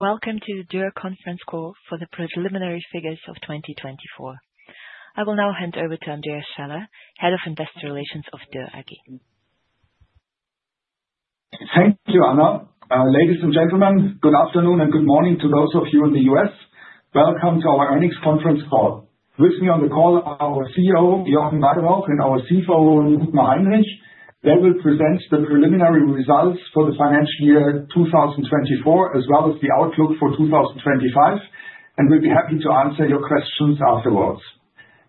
Welcome to the Dürr Conference Call for the Preliminary Figures of 2024. I will now hand over to Andreas Schaller, Head of Investor Relations of Dürr AG. Thank you, Anna. Ladies and gentlemen, good afternoon and good morning to those of you in the U.S. Welcome to our earnings conference call. With me on the call are our CEO, Jochen Weyrauch, and our CFO, Dietmar Heinrich. They will present the preliminary results for the financial year 2024, as well as the outlook for 2025, and we'll be happy to answer your questions afterwards.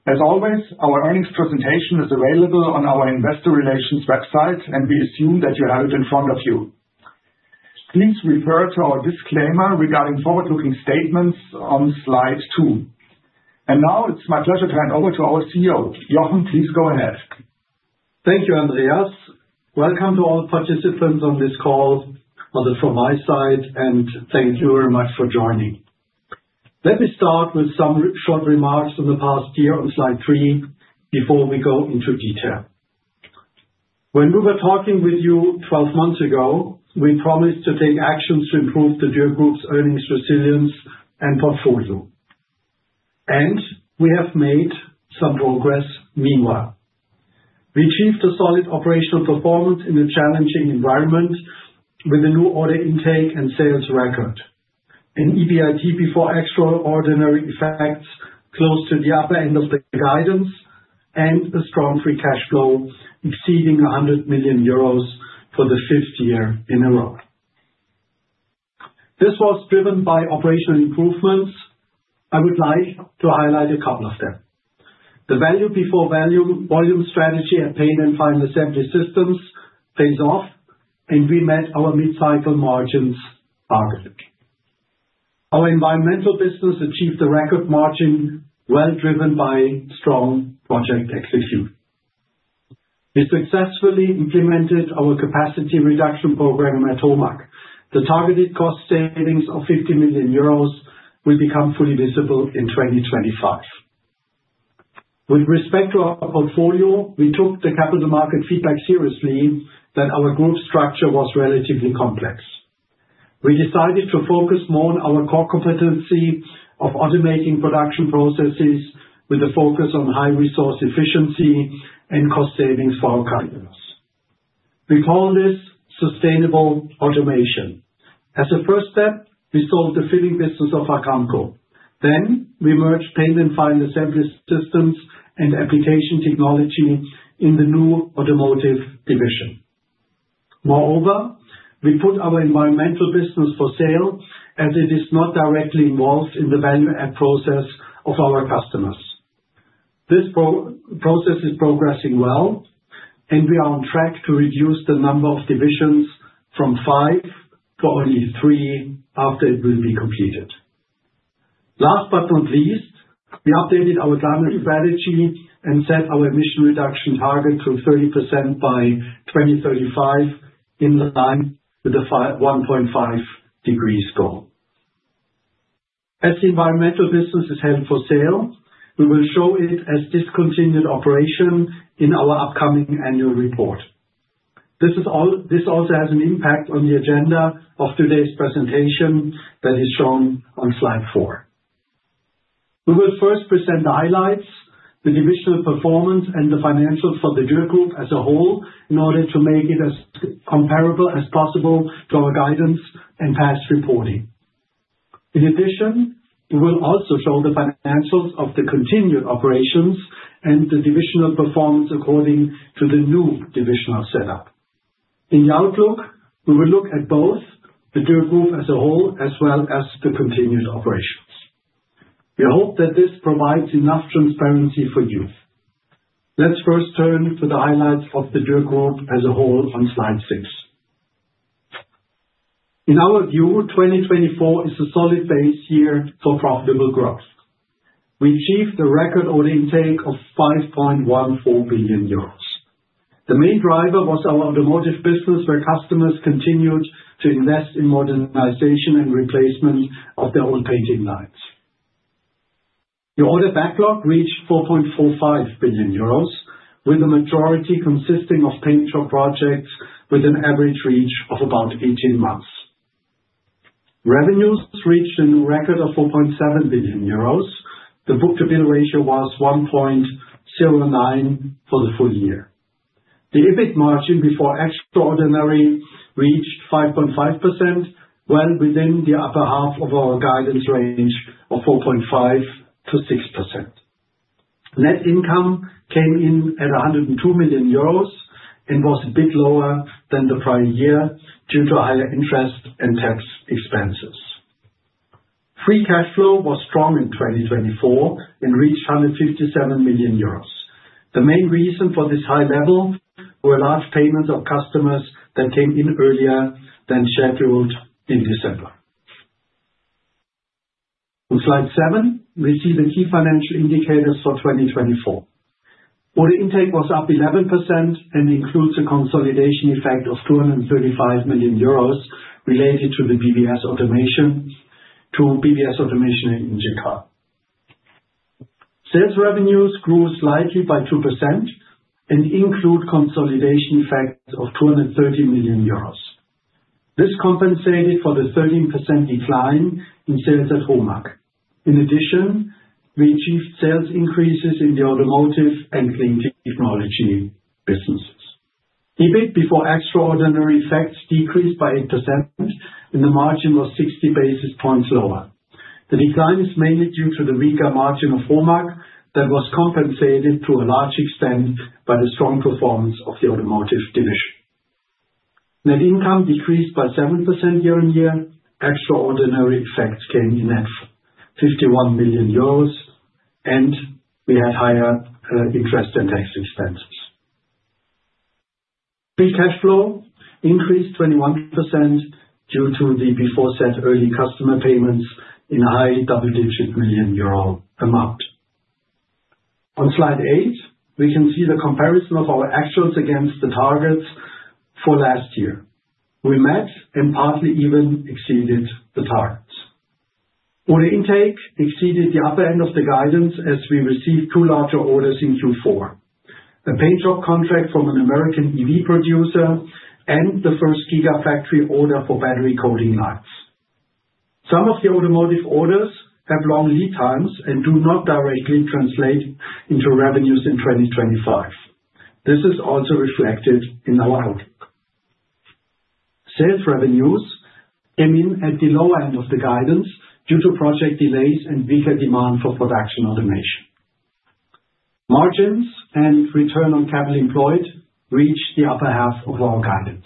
As always, our earnings presentation is available on our Investor Relations website, and we assume that you have it in front of you. Please refer to our disclaimer regarding forward-looking statements on slide two. Now it's my pleasure to hand over to our CEO. Jochen, please go ahead. Thank you, Andreas. Welcome to all participants on this call, both from my side, and thank you very much for joining. Let me start with some short remarks on the past year on slide three before we go into detail. When we were talking with you 12 months ago, we promised to take actions to improve the Dürr Group's earnings resilience and portfolio, and we have made some progress meanwhile. We achieved a solid operational performance in a challenging environment with a new order intake and sales record, an EBIT before extraordinary effects close to the upper end of the guidance, and a strong free cash flow exceeding 100 million euros for the fifth year in a row. This was driven by operational improvements. I would like to highlight a couple of them. The value before volume strategy at Paint and Final Assembly Systems pays off, and we met our mid-cycle margins targeted. Our environmental business achieved a record margin, well driven by strong project execution. We successfully implemented our capacity reduction program at HOMAG. The targeted cost savings of 50 million euros will become fully visible in 2025. With respect to our portfolio, we took the capital market feedback seriously that our group structure was relatively complex. We decided to focus more on our core competency of automating production processes with a focus on high-resource efficiency and cost savings for our customers. We call this sustainable automation. As a first step, we sold the filling business of ARCAMCO. We merged Paint and Final Assembly Systems and Application Technology in the new automotive division. Moreover, we put our environmental business for sale as it is not directly involved in the value-add process of our customers. This process is progressing well, and we are on track to reduce the number of divisions from five to only three after it will be completed. Last but not least, we updated our climate strategy and set our emission reduction target to 30% by 2035 in line with the 1.5 degree score. As the environmental business is held for sale, we will show it as discontinued operation in our upcoming annual report. This also has an impact on the agenda of today's presentation that is shown on slide four. We will first present the highlights, the divisional performance, and the financials for the Dürr Group as a whole in order to make it as comparable as possible to our guidance and past reporting. In addition, we will also show the financials of the continued operations and the divisional performance according to the new divisional setup. In the outlook, we will look at both the Dürr Group as a whole as well as the continued operations. We hope that this provides enough transparency for you. Let's first turn to the highlights of the Dürr Group as a whole on slide six. In our view, 2024 is a solid base year for profitable growth. We achieved a record order intake of 5.14 billion euros. The main driver was our automotive business, where customers continued to invest in modernization and replacement of their own painting lines. The order backlog reached 4.45 billion euros, with the majority consisting of paint job projects with an average reach of about 18 months. Revenues reached a new record of 4.7 billion euros. The book-to-bill ratio was 1.09 for the full year. The EBIT margin before extraordinary reached 5.5%, well within the upper half of our guidance range of 4.5%-6%. Net income came in at 102 million euros and was a bit lower than the prior year due to higher interest and tax expenses. Free cash flow was strong in 2024 and reached 157 million euros. The main reason for this high level were large payments of customers that came in earlier than scheduled in December. On slide seven, we see the key financial indicators for 2024. Order intake was up 11% and includes a consolidation effect of 235 million euros related to the BBS Automation in Genka. Sales revenues grew slightly by 2% and include consolidation effects of 230 million euros. This compensated for the 13% decline in sales at HOMAG. In addition, we achieved sales increases in the automotive and clean technology businesses. EBIT before extraordinary effects decreased by 8%, and the margin was 60 basis points lower. The decline is mainly due to the weaker margin of HOMAG that was compensated to a large extent by the strong performance of the automotive division. Net income decreased by 7% year on year. Extraordinary effects came in at 51 million euros, and we had higher interest and tax expenses. Free cash flow increased 21% due to the before-set early customer payments in a high double-digit million euro amount. On slide eight, we can see the comparison of our actuals against the targets for last year. We met and partly even exceeded the targets. Order intake exceeded the upper end of the guidance as we received two larger orders in Q4: a paint job contract from an American EV producer and the first gigafactory order for battery coating lines. Some of the automotive orders have long lead times and do not directly translate into revenues in 2025. This is also reflected in our outlook. Sales revenues came in at the lower end of the guidance due to project delays and weaker demand for production automation. Margins and return on capital employed reached the upper half of our guidance.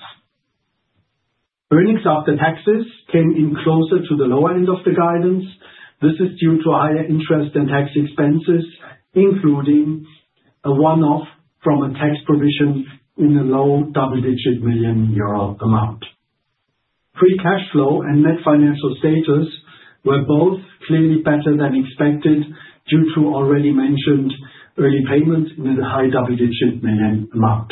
Earnings after taxes came in closer to the lower end of the guidance. This is due to higher interest and tax expenses, including a one-off from a tax provision in a low double-digit million EUR amount. Free cash flow and net financial status were both clearly better than expected due to already mentioned early payments in a high double-digit million EUR amount.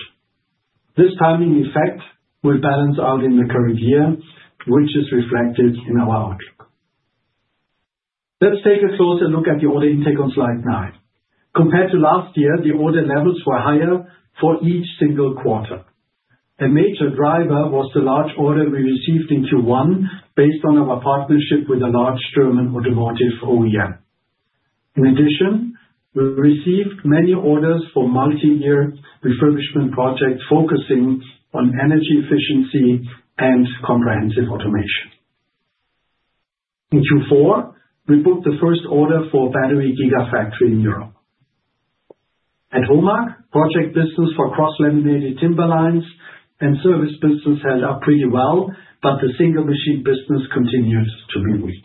This timing effect will balance out in the current year, which is reflected in our outlook. Let's take a closer look at the order intake on slide nine. Compared to last year, the order levels were higher for each single quarter. A major driver was the large order we received in Q1 based on our partnership with a large German automotive OEM. In addition, we received many orders for multi-year refurbishment projects focusing on energy efficiency and comprehensive automation. In Q4, we booked the first order for a battery gigafactory in Europe. At HOMAG, project business for cross-laminated timber lines and service business held up pretty well, but the single machine business continued to be weak.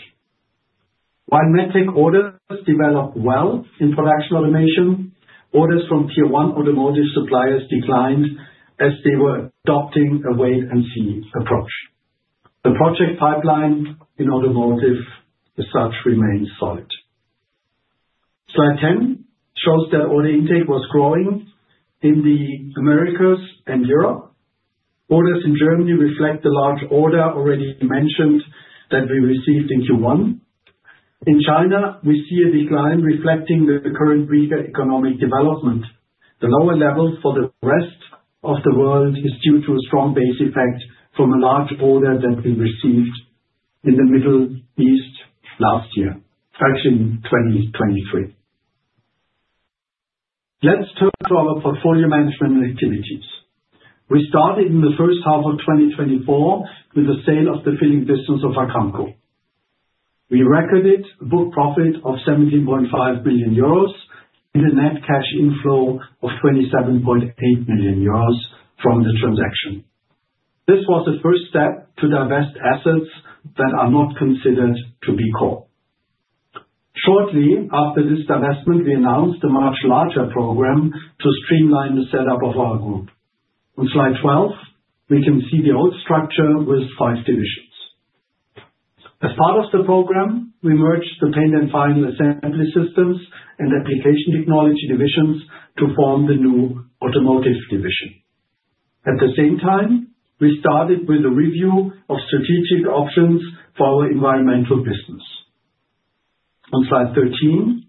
While medtech orders developed well in production automation, orders from tier one automotive suppliers declined as they were adopting a wait-and-see approach. The project pipeline in automotive research remained solid. Slide 10 shows that order intake was growing in the Americas and Europe. Orders in Germany reflect the large order already mentioned that we received in Q1. In China, we see a decline reflecting the current weaker economic development. The lower level for the rest of the world is due to a strong base effect from a large order that we received in the Middle East last year, actually in 2023. Let's turn to our portfolio management activities. We started in the first half of 2024 with the sale of the filling business of ARCAMCO. We recorded a book profit of 17.5 million euros and a net cash inflow of 27.8 million euros from the transaction. This was a first step to divest assets that are not considered to be core. Shortly after this divestment, we announced a much larger program to streamline the setup of our group. On slide 12, we can see the old structure with five divisions. As part of the program, we merged the Paint and Final Assembly Systems and Application Technology divisions to form the new automotive division. At the same time, we started with a review of strategic options for our environmental business. On slide 13,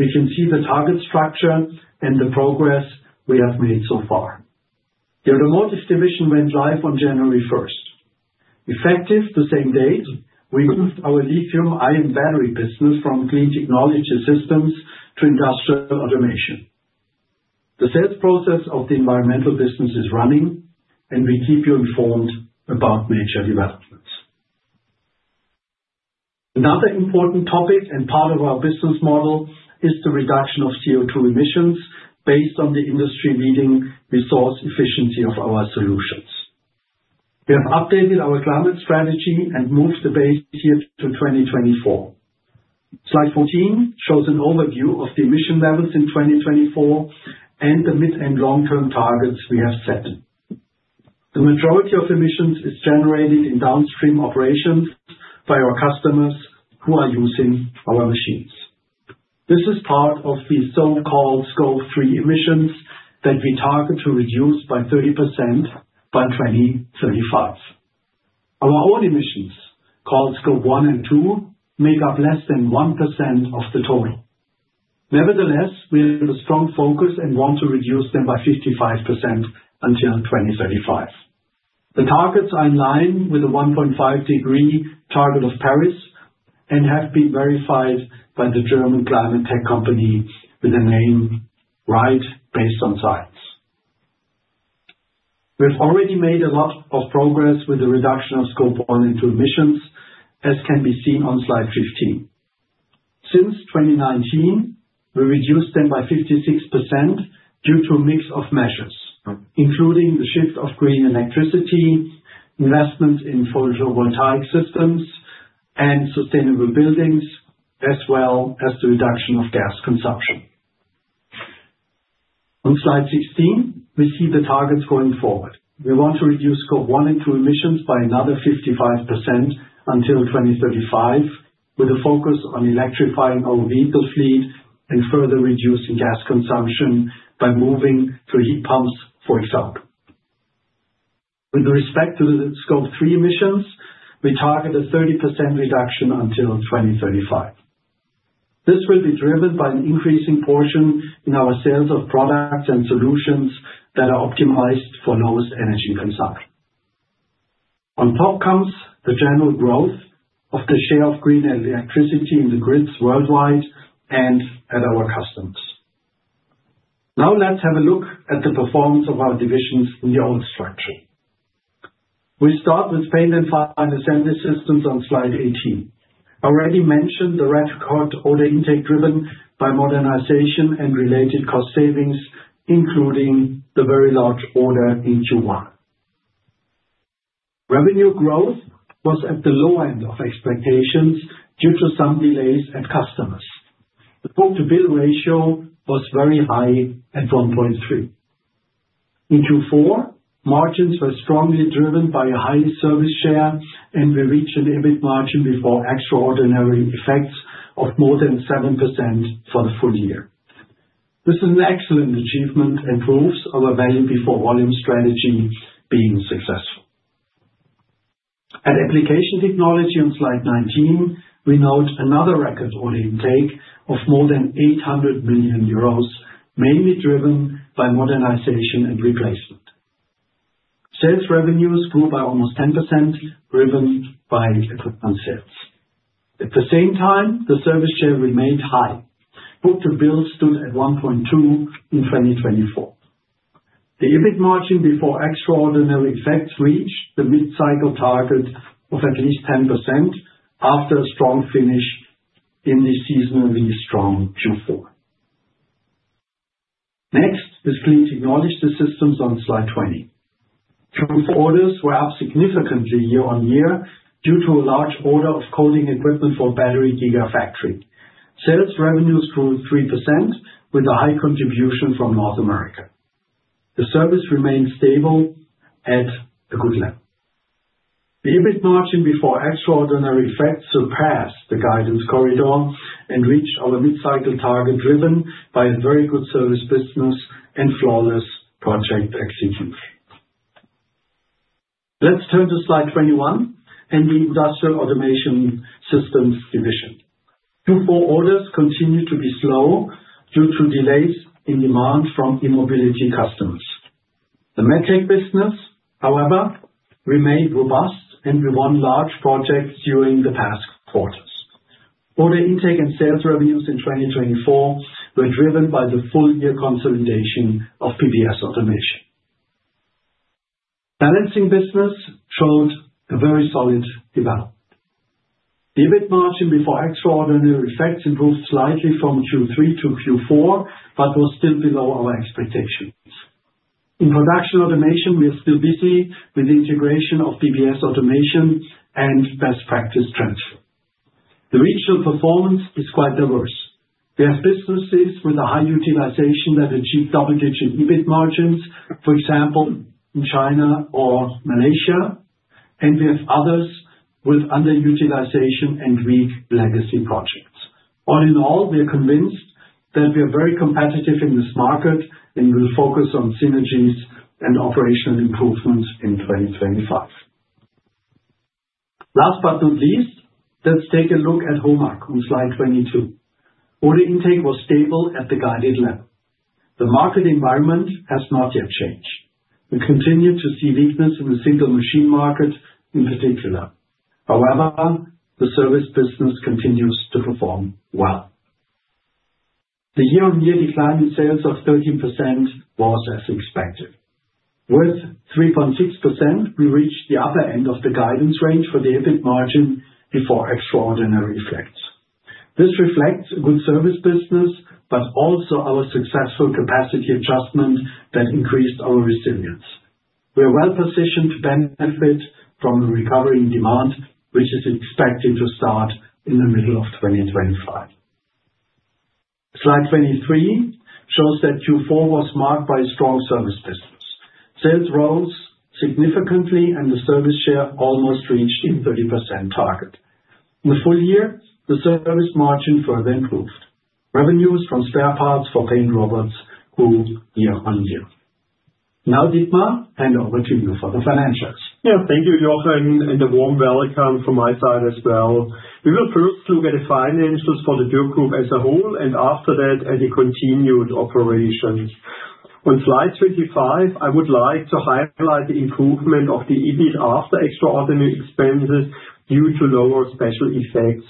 we can see the target structure and the progress we have made so far. The automotive division went live on January 1. Effective the same date, we moved our lithium-ion battery business from Clean Technology Systems to industrial automation. The sales process of the environmental business is running, and we keep you informed about major developments. Another important topic and part of our business model is the reduction of CO2 emissions based on the industry-leading resource efficiency of our solutions. We have updated our climate strategy and moved the base year to 2024. Slide 14 shows an overview of the emission levels in 2024 and the mid and long-term targets we have set. The majority of emissions is generated in downstream operations by our customers who are using our machines. This is part of the so-called scope 3 emissions that we target to reduce by 30% by 2035. Our own emissions, called scope 1 and 2, make up less than 1% of the total. Nevertheless, we have a strong focus and want to reduce them by 55% until 2035. The targets are in line with the 1.5 degree target of Paris and have been verified by the German climate tech company with the name right. based on science. We have already made a lot of progress with the reduction of scope 1 and 2 emissions, as can be seen on slide 15. Since 2019, we reduced them by 56% due to a mix of measures, including the shift of green electricity, investment in photovoltaic systems, and sustainable buildings, as well as the reduction of gas consumption. On slide 16, we see the targets going forward. We want to reduce scope one and two emissions by another 55% until 2035, with a focus on electrifying our vehicle fleet and further reducing gas consumption by moving to heat pumps, for example. With respect to the scope three emissions, we target a 30% reduction until 2035. This will be driven by an increasing portion in our sales of products and solutions that are optimized for lowest energy consumption. On top comes the general growth of the share of green electricity in the grids worldwide and at our customers. Now let's have a look at the performance of our divisions in the old structure. We start with Paint and Final Assembly Systems on slide 18. I already mentioned the record order intake driven by modernization and related cost savings, including the very large order in Q1. Revenue growth was at the lower end of expectations due to some delays at customers. The book-to-bill ratio was very high at 1.3. In Q4, margins were strongly driven by a high service share, and we reached an EBIT margin before extraordinary effects of more than 7% for the full year. This is an excellent achievement and proves our value before volume strategy being successful. At Application Technology on slide 19, we note another record order intake of more than 800 million euros, mainly driven by modernization and replacement. Sales revenues grew by almost 10%, driven by equipment sales. At the same time, the service share remained high. Book-to-bill stood at 1.2 in 2024. The EBIT margin before extraordinary effects reached the mid-cycle target of at least 10% after a strong finish in the seasonally strong Q4. Next, we screen technology systems on slide 20. Q4 orders were up significantly year on year due to a large order of coating equipment for battery gigafactory. Sales revenues grew 3% with a high contribution from North America. The service remained stable at a good level. The EBIT margin before extraordinary effects surpassed the guidance corridor and reached our mid-cycle target driven by a very good service business and flawless project execution. Let's turn to slide 21 and the industrial automation systems division. Q4 orders continued to be slow due to delays in demand from e-mobility customers. The medtech business, however, remained robust, and we won large projects during the past quarters. Order intake and sales revenues in 2024 were driven by the full-year consolidation of PBS Automation. Balancing business showed a very solid development. The EBIT margin before extraordinary effects improved slightly from Q3 to Q4, but was still below our expectations. In production automation, we are still busy with the integration of PBS Automation and best practice transfer. The regional performance is quite diverse. We have businesses with a high utilization that achieve double-digit EBIT margins, for example, in China or Malaysia, and we have others with underutilization and weak legacy projects. All in all, we are convinced that we are very competitive in this market and will focus on synergies and operational improvements in 2025. Last but not least, let's take a look at HOMAG on slide 22. Order intake was stable at the guided level. The market environment has not yet changed. We continue to see weakness in the single machine market in particular. However, the service business continues to perform well. The year-on-year decline in sales of 13% was as expected. With 3.6%, we reached the upper end of the guidance range for the EBIT margin before extraordinary effects. This reflects a good service business, but also our successful capacity adjustment that increased our resilience. We are well positioned to benefit from the recovering demand, which is expected to start in the middle of 2025. Slide 23 shows that Q4 was marked by a strong service business. Sales rose significantly, and the service share almost reached a 30% target. In the full year, the service margin further improved. Revenues from spare parts for paint rubbers grew year on year. Now, Dietmar, hand over to you for the financials. Yeah, thank you, Jochen, and a warm welcome from my side as well. We will first look at the financials for the Dürr Group as a whole and after that at the continued operations. On slide 25, I would like to highlight the improvement of the EBIT after extraordinary expenses due to lower special effects.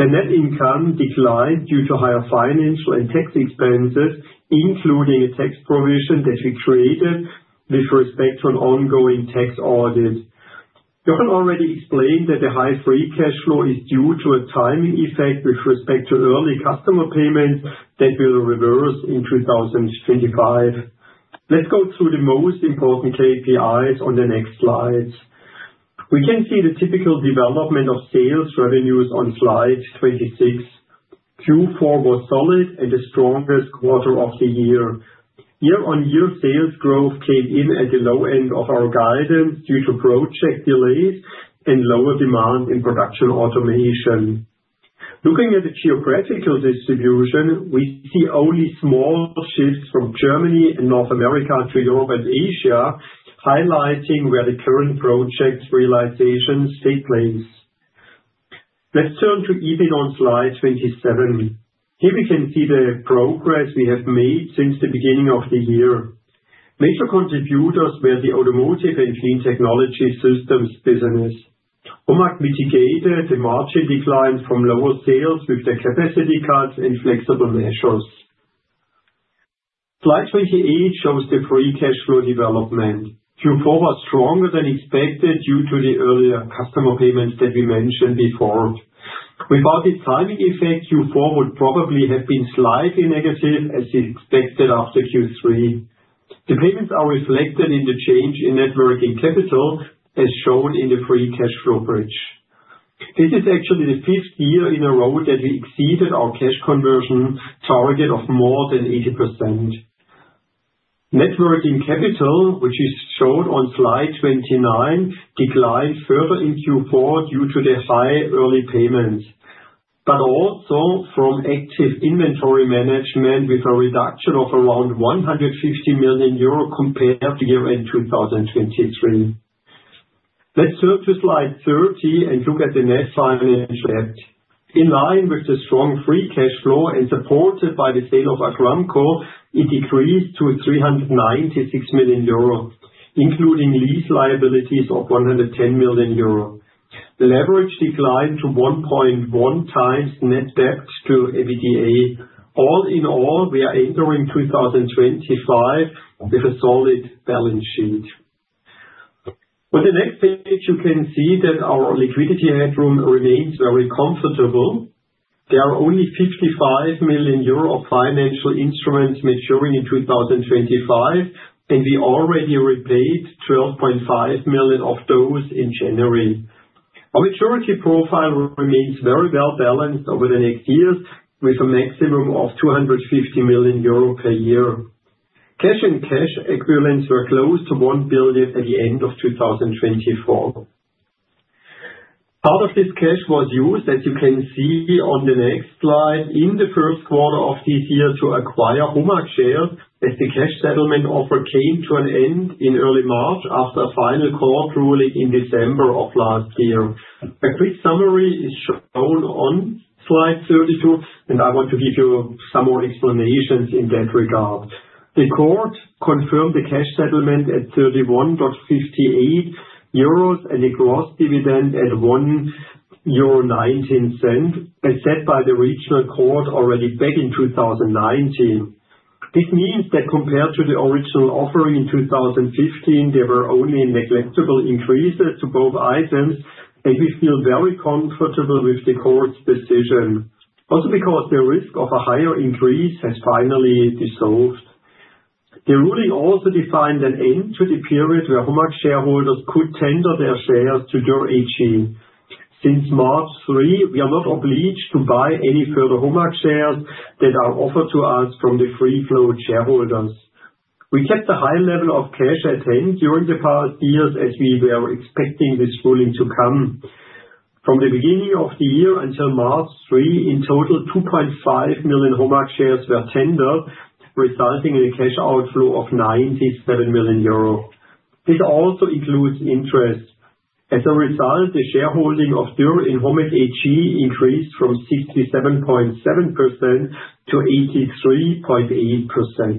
The net income declined due to higher financial and tax expenses, including a tax provision that we created with respect to an ongoing tax audit. Jochen already explained that the high free cash flow is due to a timing effect with respect to early customer payments that will reverse in 2025. Let's go through the most important KPIs on the next slides. We can see the typical development of sales revenues on slide 26. Q4 was solid and the strongest quarter of the year. Year-on-year sales growth came in at the low end of our guidance due to project delays and lower demand in production automation. Looking at the geographical distribution, we see only small shifts from Germany and North America to Europe and Asia, highlighting where the current project realizations take place. Let's turn to EBIT on slide 27. Here we can see the progress we have made since the beginning of the year. Major contributors were the automotive and Clean Technology Systems business. HOMAG mitigated the margin decline from lower sales with the capacity cuts and flexible measures. Slide 28 shows the free cash flow development. Q4 was stronger than expected due to the earlier customer payments that we mentioned before. Without the timing effect, Q4 would probably have been slightly negative as expected after Q3. The payments are reflected in the change in net working capital, as shown in the free cash flow bridge. This is actually the fifth year in a row that we exceeded our cash conversion target of more than 80%. Networking capital, which is shown on slide 29, declined further in Q4 due to the high early payments, but also from active inventory management with a reduction of around 150 million euro compared to year-end 2023. Let's turn to slide 30 and look at the net financial debt. In line with the strong free cash flow and supported by the sale of ARCAMCO, it decreased to 396 million euro, including lease liabilities of 110 million euro. The leverage declined to 1.1 times net debt to EBITDA. All in all, we are entering 2025 with a solid balance sheet. On the next page, you can see that our liquidity headroom remains very comfortable. There are only 55 million euro of financial instruments maturing in 2025, and we already repaid 12.5 million of those in January. Our maturity profile remains very well balanced over the next years with a maximum of 250 million euro per year. Cash and cash equivalents were close to 1 billion at the end of 2024. Part of this cash was used, as you can see on the next slide, in the first quarter of this year to acquire HOMAG shares as the cash settlement offer came to an end in early March after a final court ruling in December of last year. A quick summary is shown on slide 32, and I want to give you some more explanations in that regard. The court confirmed the cash settlement at 31.58 euros and the gross dividend at 1.19 euro, as set by the regional court already back in 2019. This means that compared to the original offering in 2015, there were only negligible increases to both items, and we feel very comfortable with the court's decision, also because the risk of a higher increase has finally dissolved. The ruling also defined an end to the period where HOMAG shareholders could tender their shares to Dürr AG. Since March 3, we are not obliged to buy any further HOMAG shares that are offered to us from the free-float shareholders. We kept a high level of cash at hand during the past years as we were expecting this ruling to come. From the beginning of the year until March 3, in total, 2.5 million HOMAG shares were tendered, resulting in a cash outflow of 97 million euro. This also includes interest. As a result, the shareholding of Dürr in HOMAG AG increased from 67.7% to 83.8%.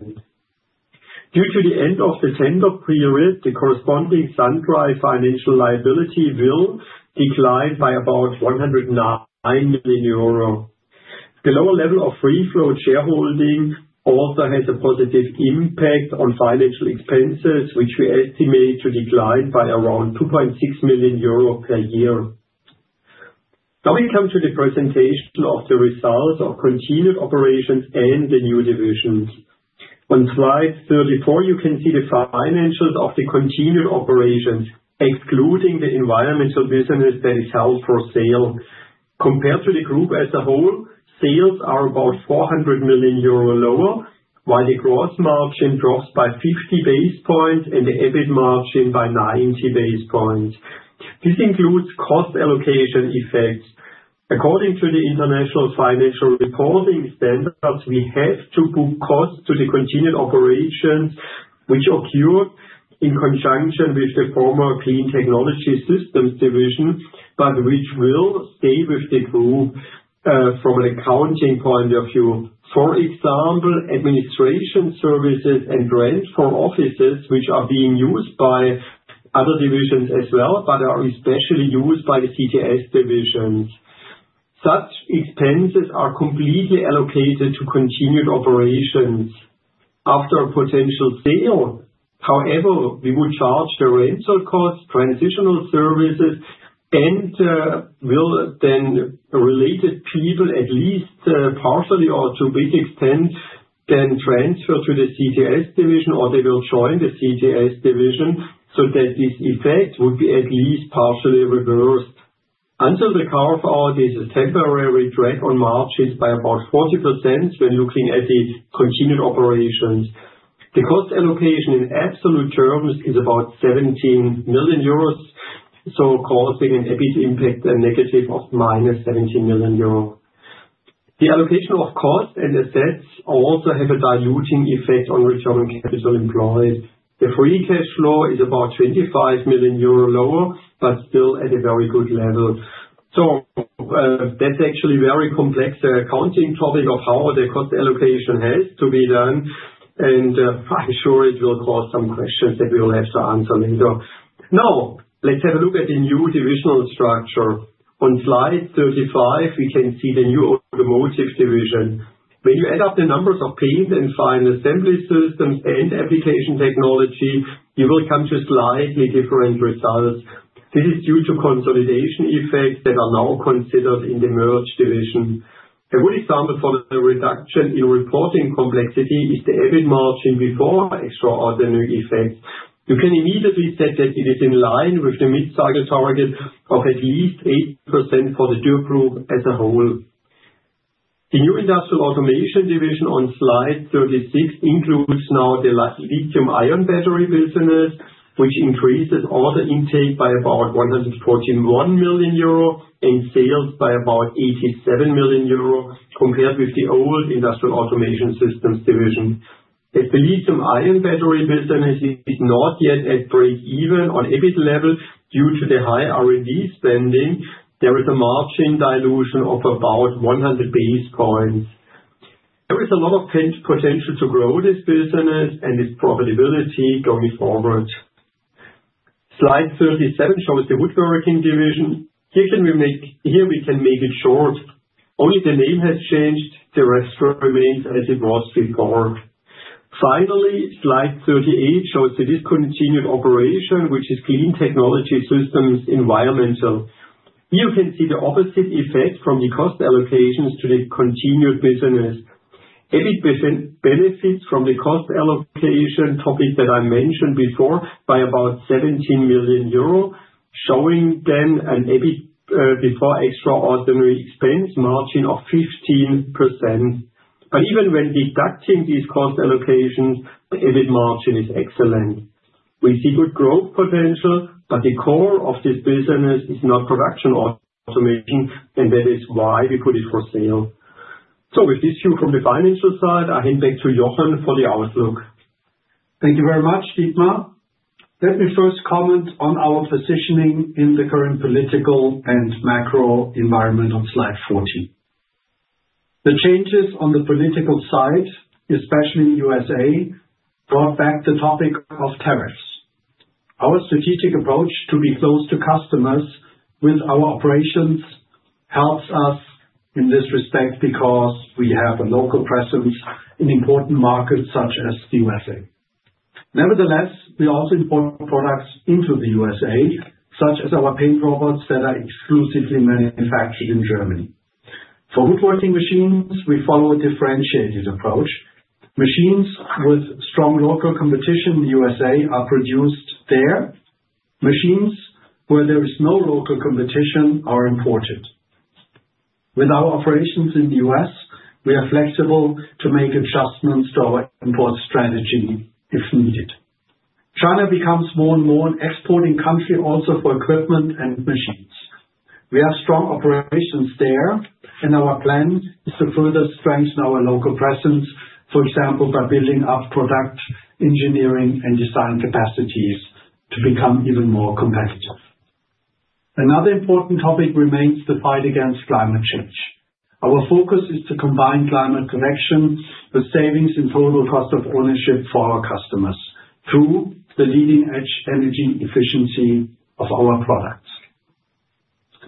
Due to the end of the tender period, the corresponding sundry financial liability will decline by about 109 million euro. The lower level of free-float shareholding also has a positive impact on financial expenses, which we estimate to decline by around 2.6 million euro per year. Now we come to the presentation of the results of continued operations and the new divisions. On slide 34, you can see the financials of the continued operations, excluding the environmental business that is held for sale. Compared to the group as a whole, sales are about 400 million euro lower, while the gross margin drops by 50 basis points and the EBIT margin by 90 basis points. This includes cost allocation effects. According to the International Financial Reporting Standards, we have to book costs to the continued operations, which occur in conjunction with the former Clean Technology Systems division, but which will stay with the group from an accounting point of view. For example, administration services and rent for offices, which are being used by other divisions as well, but are especially used by the CTS divisions. Such expenses are completely allocated to continued operations after a potential sale. However, we would charge the rental costs, transitional services, and will then related people at least partially or to a big extent then transfer to the CTS division, or they will join the CTS division so that this effect would be at least partially reversed. Until the carve-out, this is temporary drag on margins by about 40% when looking at the continued operations. The cost allocation in absolute terms is about 17 million euros, so causing an EBIT impact negative of 17 million euros. The allocation of costs and assets also has a diluting effect on return on capital employed. The free cash flow is about 25 million euro lower, but still at a very good level. That is actually a very complex accounting topic of how the cost allocation has to be done, and I'm sure it will cause some questions that we will have to answer later. Now, let's have a look at the new divisional structure. On slide 35, we can see the new automotive division. When you add up the numbers of paint and final assembly systems and application technology, you will come to slightly different results. This is due to consolidation effects that are now considered in the merged division. A good example for the reduction in reporting complexity is the EBIT margin before extraordinary effects. You can immediately see that it is in line with the mid-cycle target of at least 8% for the Dürr Group as a whole. The new industrial automation division on slide 36 includes now the lithium-ion battery business, which increases order intake by about 141 million euro and sales by about 87 million euro compared with the old industrial automation systems division. As the lithium-ion battery business is not yet at break-even on EBIT level due to the high R&D spending, there is a margin dilution of about 100 basis points. There is a lot of potential to grow this business and its profitability going forward. Slide 37 shows the woodworking division. Here we can make it short. Only the name has changed. The rest remains as it was before. Finally, slide 38 shows the discontinued operation, which is Clean Technology Systems environmental. Here you can see the opposite effect from the cost allocations to the continued business. EBIT benefits from the cost allocation topic that I mentioned before by about 17 million euro, showing then an EBIT before extraordinary expense margin of 15%. Even when deducting these cost allocations, the EBIT margin is excellent. We see good growth potential, but the core of this business is not production automation, and that is why we put it for sale. With this view from the financial side, I hand back to Jochen for the outlook. Thank you very much, Dietmar. Let me first comment on our positioning in the current political and macro environment on slide 40. The changes on the political side, especially in the U.S., brought back the topic of tariffs. Our strategic approach to be close to customers with our operations helps us in this respect because we have a local presence in important markets such as the U.S. Nevertheless, we also import products into the U.S., such as our paint rubbers that are exclusively manufactured in Germany. For woodworking machines, we follow a differentiated approach. Machines with strong local competition in the U.S. are produced there. Machines where there is no local competition are imported. With our operations in the U.S., we are flexible to make adjustments to our import strategy if needed. China becomes more and more an exporting country also for equipment and machines. We have strong operations there, and our plan is to further strengthen our local presence, for example, by building up product engineering and design capacities to become even more competitive. Another important topic remains the fight against climate change. Our focus is to combine climate correction with savings in total cost of ownership for our customers through the leading-edge energy efficiency of our products.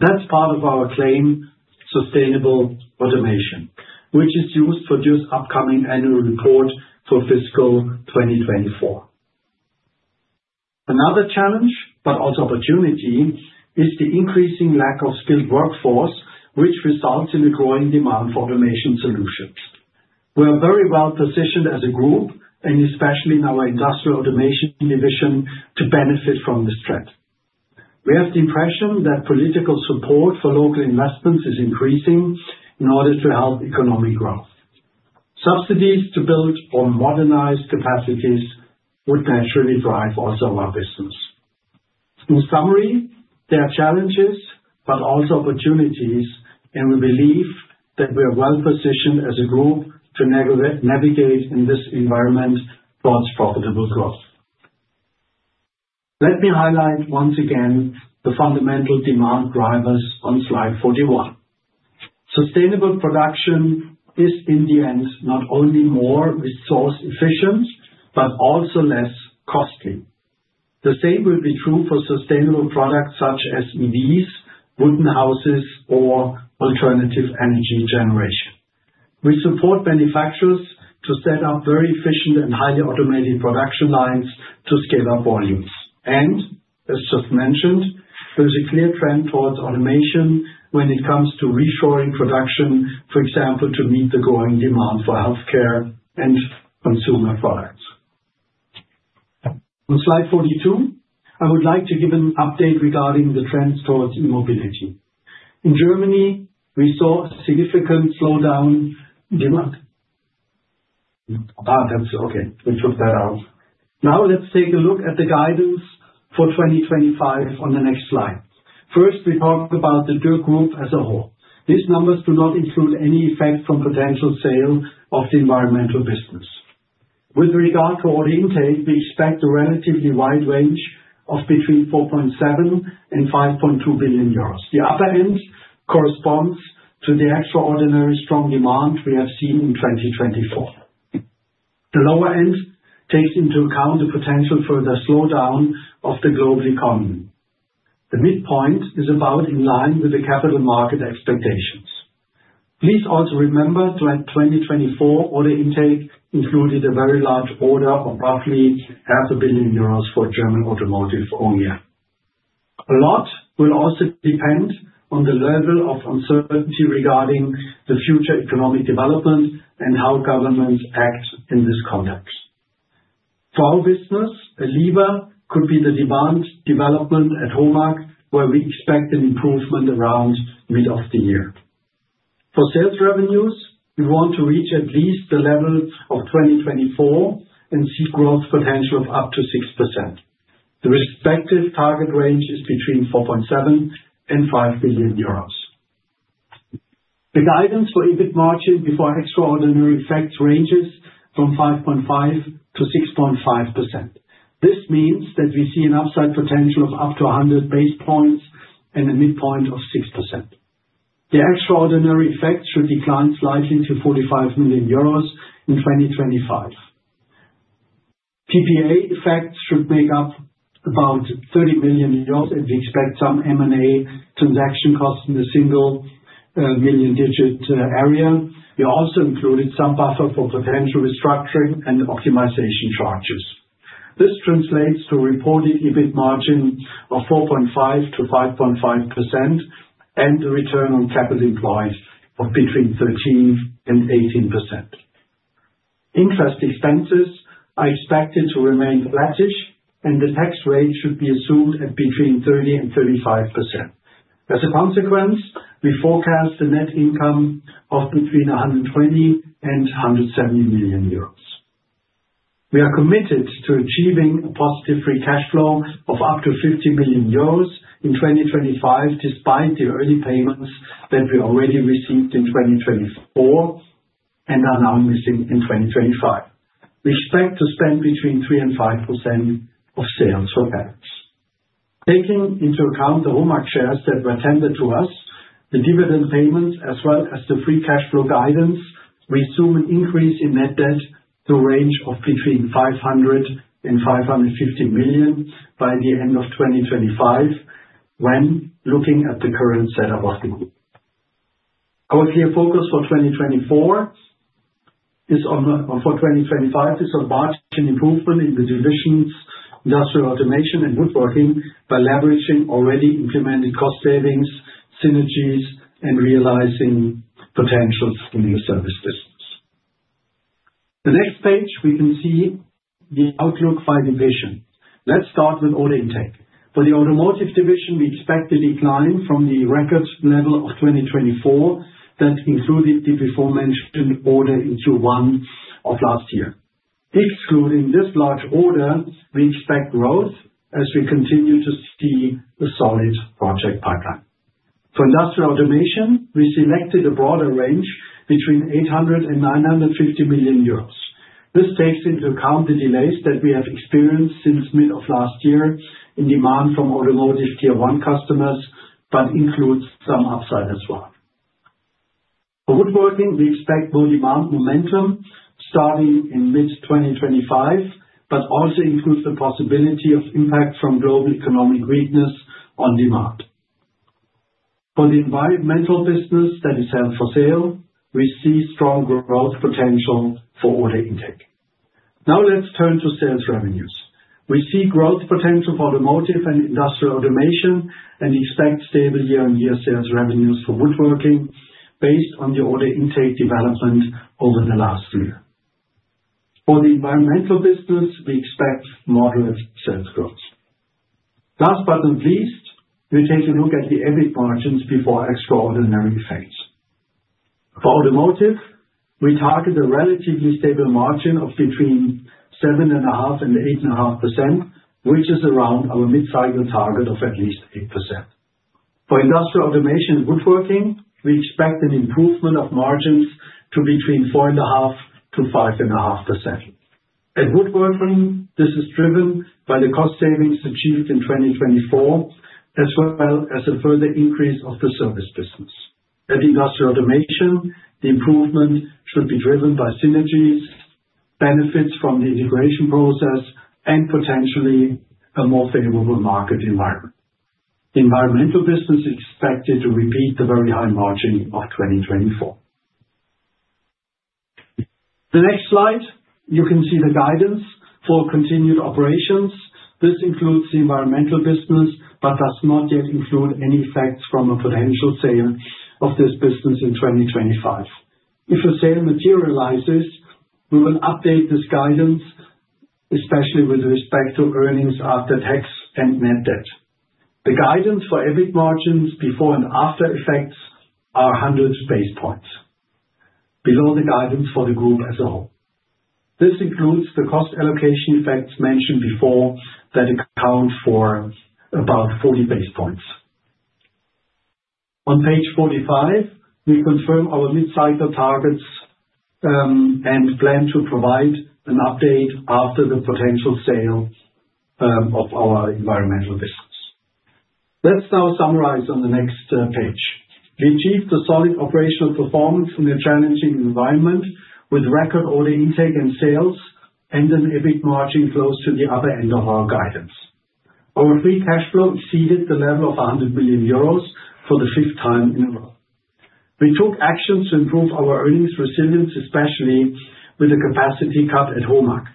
That's part of our claim, sustainable automation, which is used for Dürr's upcoming annual report for fiscal 2024. Another challenge, but also opportunity, is the increasing lack of skilled workforce, which results in a growing demand for automation solutions. We are very well positioned as a group, and especially in our industrial automation division, to benefit from this threat. We have the impression that political support for local investments is increasing in order to help economic growth. Subsidies to build or modernize capacities would naturally drive also our business. In summary, there are challenges, but also opportunities, and we believe that we are well positioned as a group to navigate in this environment towards profitable growth. Let me highlight once again the fundamental demand drivers on slide 41. Sustainable production is, in the end, not only more resource efficient, but also less costly. The same will be true for sustainable products such as EVs, wooden houses, or alternative energy generation. We support manufacturers to set up very efficient and highly automated production lines to scale up volumes. As just mentioned, there is a clear trend towards automation when it comes to reshoring production, for example, to meet the growing demand for healthcare and consumer products. On slide 42, I would like to give an update regarding the trends towards mobility. In Germany, we saw a significant slowdown. Okay, we took that out. Now let's take a look at the guidance for 2025 on the next slide. First, we talk about the Dürr Group as a whole. These numbers do not include any effect from potential sale of the environmental business. With regard to order intake, we expect a relatively wide range of between 4.7 billion and 5.2 billion euros. The upper end corresponds to the extraordinary strong demand we have seen in 2024. The lower end takes into account the potential further slowdown of the global economy. The midpoint is about in line with the capital market expectations. Please also remember that 2024 order intake included a very large order of roughly 500 million euros for German automotive earlier. A lot will also depend on the level of uncertainty regarding the future economic development and how governments act in this context. For our business, a lever could be the demand development at HOMAG, where we expect an improvement around mid of the year. For sales revenues, we want to reach at least the level of 2024 and see growth potential of up to 6%. The respective target range is between 4.7 billion and 5 billion euros. The guidance for EBIT margin before extraordinary effects ranges from 5.5% to 6.5%. This means that we see an upside potential of up to 100 basis points and a midpoint of 6%. The extraordinary effects should decline slightly to 45 million euros in 2025. PPA effects should make up about 30 million euros, and we expect some M&A transaction costs in the single million-digit area. We also included some buffer for potential restructuring and optimization charges. This translates to a reported EBIT margin of 4.5%-5.5% and a return on capital employed of between 13%-18%. Interest expenses are expected to remain flattish, and the tax rate should be assumed at between 30%-35%. As a consequence, we forecast a net income of between 120 million euros and 170 million euros. We are committed to achieving a positive free cash flow of up to 50 million euros in 2025, despite the early payments that we already received in 2024 and are now missing in 2025. We expect to spend between 3%-5% of sales for tax. Taking into account the HOMAG shares that were tendered to us, the dividend payments, as well as the free cash flow guidance, we assume an increase in net debt to a range of between 500 million and 550 million by the end of 2025, when looking at the current setup of the group. Our clear focus for 2025 is on margin improvement in the divisions, industrial automation, and woodworking by leveraging already implemented cost savings, synergies, and realizing potentials in the service business. The next page, we can see the outlook by division. Let's start with order intake. For the automotive division, we expect a decline from the record level of 2024 that included the before-mentioned order in Q1 of last year. Excluding this large order, we expect growth as we continue to see a solid project pipeline. For industrial automation, we selected a broader range between 800 million euros and 950 million euros. This takes into account the delays that we have experienced since mid of last year in demand from automotive Tier 1 customers, but includes some upside as well. For woodworking, we expect more demand momentum starting in mid-2025, but also includes the possibility of impact from global economic weakness on demand. For the environmental business that is held for sale, we see strong growth potential for order intake. Now let's turn to sales revenues. We see growth potential for automotive and industrial automation and expect stable year-on-year sales revenues for woodworking based on the order intake development over the last year. For the environmental business, we expect moderate sales growth. Last but not least, we take a look at the EBIT margins before extraordinary effects. For automotive, we target a relatively stable margin of between 7.5% and 8.5%, which is around our mid-cycle target of at least 8%. For industrial automation and woodworking, we expect an improvement of margins to between 4.5%-5.5%. At woodworking, this is driven by the cost savings achieved in 2024, as well as a further increase of the service business. At industrial automation, the improvement should be driven by synergies, benefits from the integration process, and potentially a more favorable market environment. The environmental business is expected to repeat the very high margin of 2024. The next slide, you can see the guidance for continued operations. This includes the environmental business, but does not yet include any effects from a potential sale of this business in 2025. If a sale materializes, we will update this guidance, especially with respect to earnings after tax and net debt. The guidance for EBIT margins before and after effects are 100 basis points below the guidance for the group as a whole. This includes the cost allocation effects mentioned before that account for about 40 basis points. On page 45, we confirm our mid-cycle targets and plan to provide an update after the potential sale of our environmental business. Let's now summarize on the next page. We achieved a solid operational performance in a challenging environment with record order intake and sales and an EBIT margin close to the upper end of our guidance. Our free cash flow exceeded the level of 100 million euros for the fifth time in a row. We took actions to improve our earnings resilience, especially with the capacity cut at HOMAG.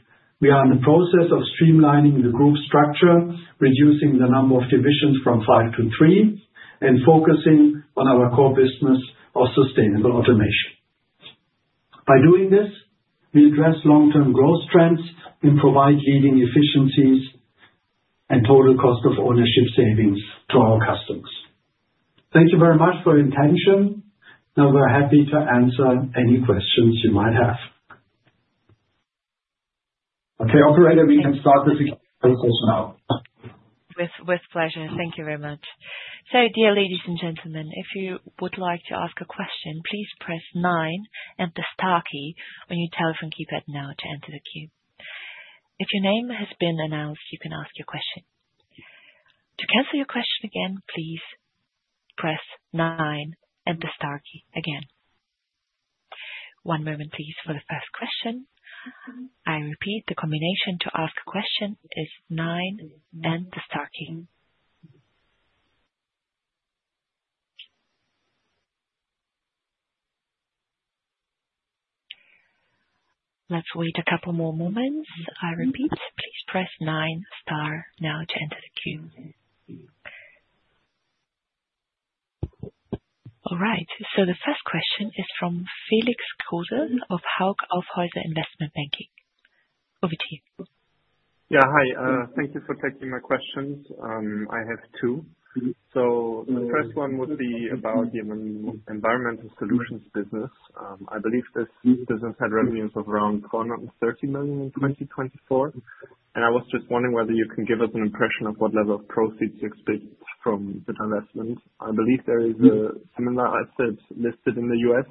We are in the process of streamlining the group structure, reducing the number of divisions from five to three, and focusing on our core business of sustainable automation. By doing this, we address long-term growth trends and provide leading efficiencies and total cost of ownership savings to our customers. Thank you very much for your attention. Now we're happy to answer any questions you might have. Okay, Operator, we can start the security process now. With pleasure. Thank you very much. Dear ladies and gentlemen, if you would like to ask a question, please press 9 and the star key on your telephone keypad now to enter the queue. If your name has been announced, you can ask your question. To cancel your question again, please press 9 and the star key again. One moment, please, for the first question. I repeat, the combination to ask a question is 9 and the star key. Let's wait a couple more moments. I repeat, please press 9, star, now to enter the queue. All right. The first question is from Felix Kröger of Hauck Aufhäuser Investment Banking. Over to you. Yeah, hi. Thank you for taking my questions. I have two. The first one would be about the environmental solutions business. I believe this business had revenues of around 430 million in 2024. I was just wondering whether you can give us an impression of what level of proceeds you expect from the investment. I believe there is a similar asset listed in the US,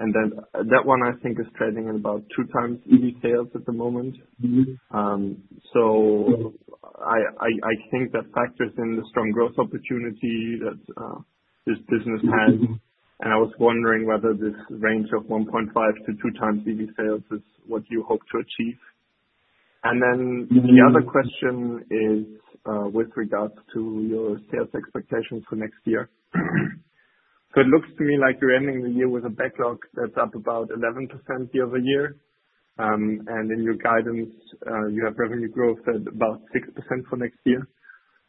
and that one, I think, is trading at about two times EV sales at the moment. I think that factors in the strong growth opportunity that this business has. I was wondering whether this range of 1.5-2 times EV sales is what you hope to achieve. The other question is with regards to your sales expectations for next year. It looks to me like you're ending the year with a backlog that's up about 11% year over year. In your guidance, you have revenue growth at about 6% for next year.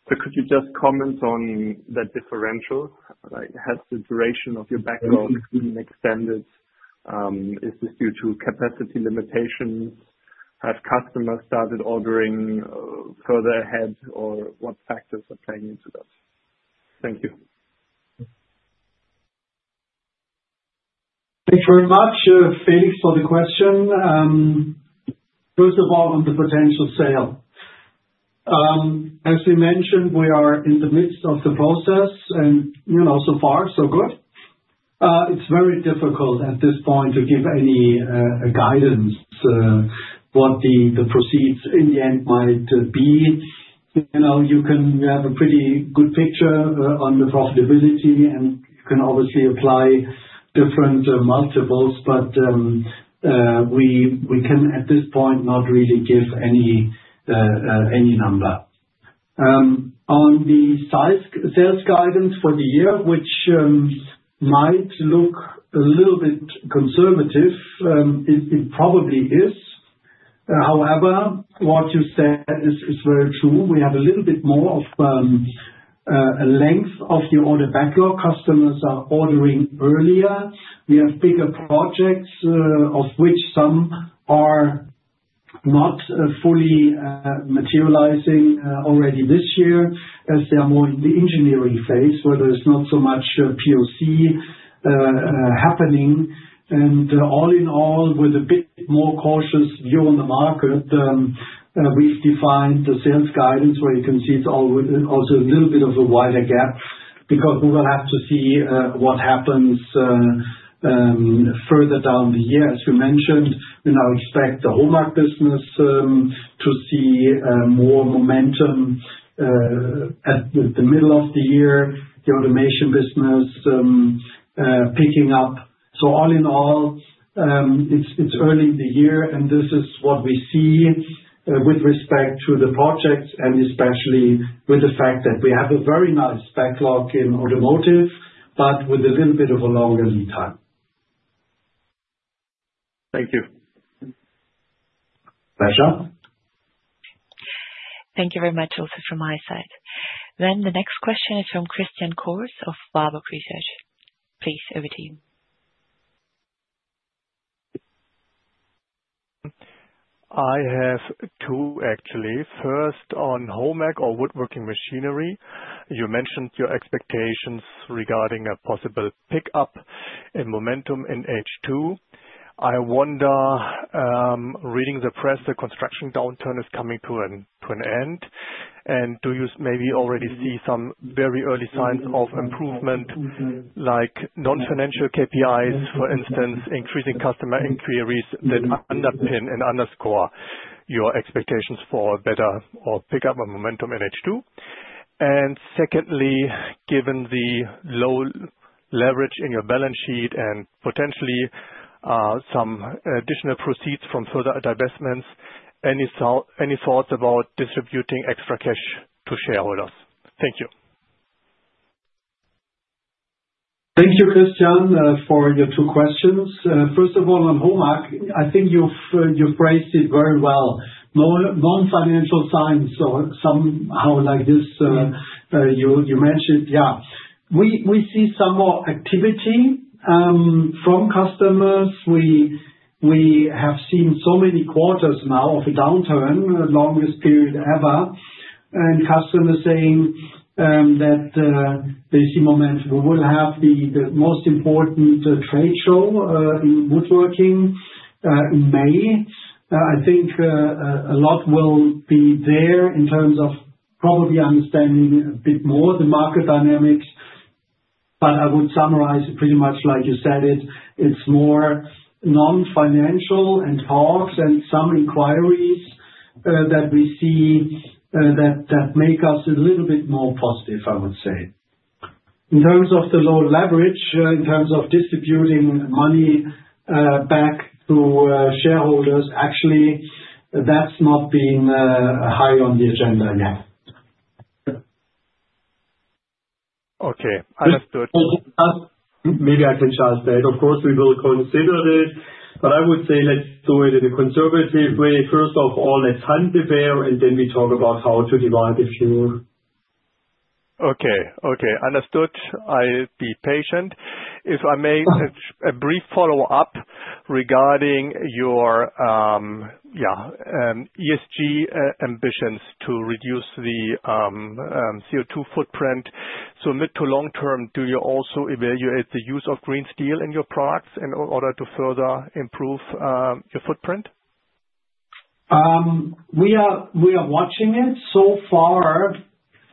Could you just comment on that differential? Has the duration of your backlog been extended? Is this due to capacity limitations? Have customers started ordering further ahead, or what factors are playing into that? Thank you. Thank you very much, Felix, for the question. First of all, on the potential sale. As we mentioned, we are in the midst of the process, and so far, so good. It's very difficult at this point to give any guidance on what the proceeds in the end might be. You have a pretty good picture on the profitability, and you can obviously apply different multiples, but we can, at this point, not really give any number. On the sales guidance for the year, which might look a little bit conservative, it probably is. However, what you said is very true. We have a little bit more of a length of the order backlog. Customers are ordering earlier. We have bigger projects, of which some are not fully materializing already this year as they are more in the engineering phase, where there's not so much POC happening. All in all, with a bit more cautious view on the market, we've defined the sales guidance, where you can see it's also a little bit of a wider gap because we will have to see what happens further down the year. As you mentioned, we now expect the HOMAG business to see more momentum at the middle of the year, the automation business picking up. All in all, it's early in the year, and this is what we see with respect to the projects, and especially with the fact that we have a very nice backlog in automotive, but with a little bit of a longer lead time. Thank you. Pleasure. Thank you very much also from my side. The next question is from Christian Cohrs of Warburg Research. Please, over to you. I have two, actually. First, on HOMAG or woodworking machinery. You mentioned your expectations regarding a possible pickup in momentum in H2. I wonder, reading the press, the construction downturn is coming to an end. Do you maybe already see some very early signs of improvement, like non-financial KPIs, for instance, increasing customer inquiries that underpin and underscore your expectations for a better pickup of momentum in H2? Secondly, given the low leverage in your balance sheet and potentially some additional proceeds from further divestments, any thoughts about distributing extra cash to shareholders? Thank you. Thank you, Christian, for your two questions. First of all, on HOMAG, I think you phrased it very well. Non-financial signs, or somehow like this, you mentioned. Yeah. We see some more activity from customers. We have seen so many quarters now of a downturn, the longest period ever, and customers saying that they see the moment we will have the most important trade show in woodworking in May. I think a lot will be there in terms of probably understanding a bit more the market dynamics. I would summarize it pretty much like you said it. It's more non-financial and talks and some inquiries that we see that make us a little bit more positive, I would say. In terms of the low leverage, in terms of distributing money back to shareholders, actually, that's not been high on the agenda yet. Okay. Understood. Maybe I can challenge that. Of course, we will consider it. I would say let's do it in a conservative way. First of all, let's handle the bear, and then we talk about how to divide the few. Okay. Okay. Understood. I'll be patient. If I may, a brief follow-up regarding your ESG ambitions to reduce the CO2 footprint. Mid to long term, do you also evaluate the use of green steel in your products in order to further improve your footprint? We are watching it.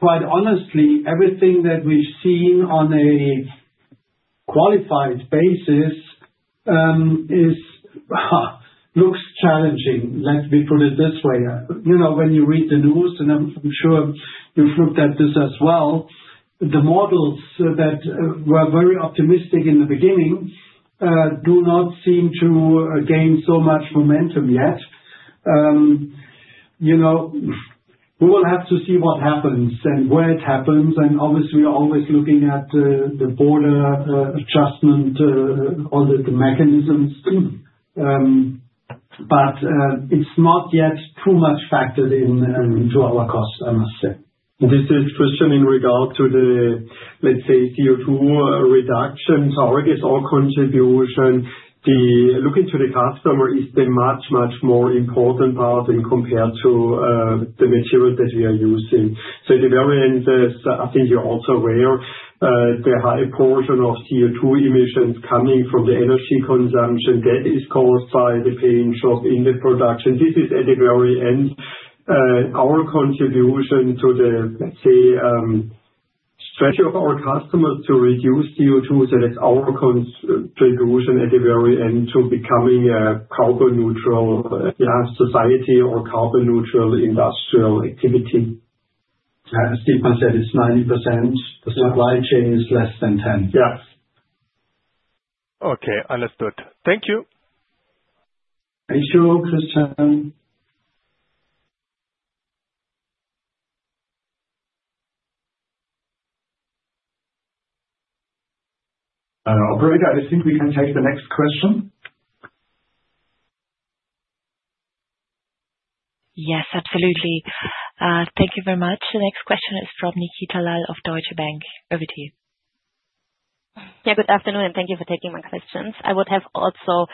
Quite honestly, everything that we've seen on a qualified basis looks challenging, let me put it this way. When you read the news, and I'm sure you've looked at this as well, the models that were very optimistic in the beginning do not seem to gain so much momentum yet. We will have to see what happens and where it happens. Obviously, we're always looking at the border adjustment, all the mechanisms. It's not yet too much factored into our cost, I must say. This is a question in regard to the, let's say, CO2 reduction targets or contribution. Looking to the customer is the much, much more important part when compared to the material that we are using. At the very end, I think you're also aware the high portion of CO2 emissions coming from the energy consumption that is caused by the change in the production. This is at the very end our contribution to the, let's say, strategy of our customers to reduce CO2. That is our contribution at the very end to becoming a carbon-neutral society or carbon-neutral industrial activity. As Deepa said, it's 90%. The supply chain is less than 10%. Yes. Okay. Understood. Thank you. Thank you, Christian. Operator, I think we can take the next question. Yes, absolutely. Thank you very much. The next question is from Nikita Lal of Deutsche Bank. Over to you. Yeah, good afternoon, and thank you for taking my questions. I would have also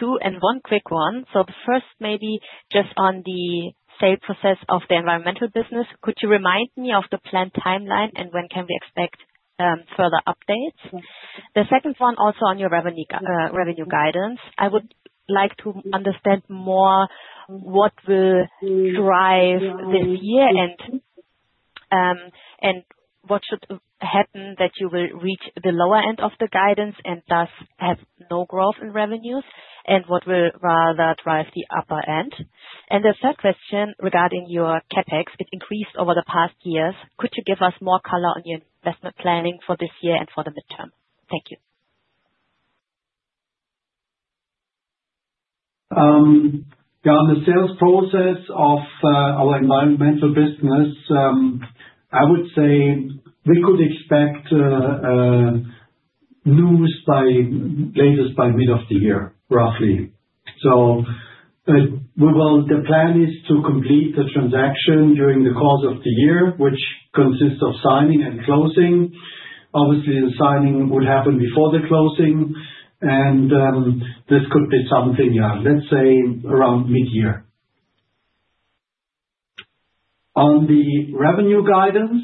two and one quick one. The first, maybe just on the sale process of the environmental business. Could you remind me of the planned timeline, and when can we expect further updates? The second one, also on your revenue guidance. I would like to understand more what will drive this year and what should happen that you will reach the lower end of the guidance and thus have no growth in revenues, and what will rather drive the upper end. The third question regarding your CapEx, it increased over the past years. Could you give us more color on your investment planning for this year and for the midterm? Thank you. Yeah, on the sales process of our environmental business, I would say we could expect news latest by mid of the year, roughly. The plan is to complete the transaction during the course of the year, which consists of signing and closing. Obviously, the signing would happen before the closing. This could be something, yeah, let's say around mid-year. On the revenue guidance,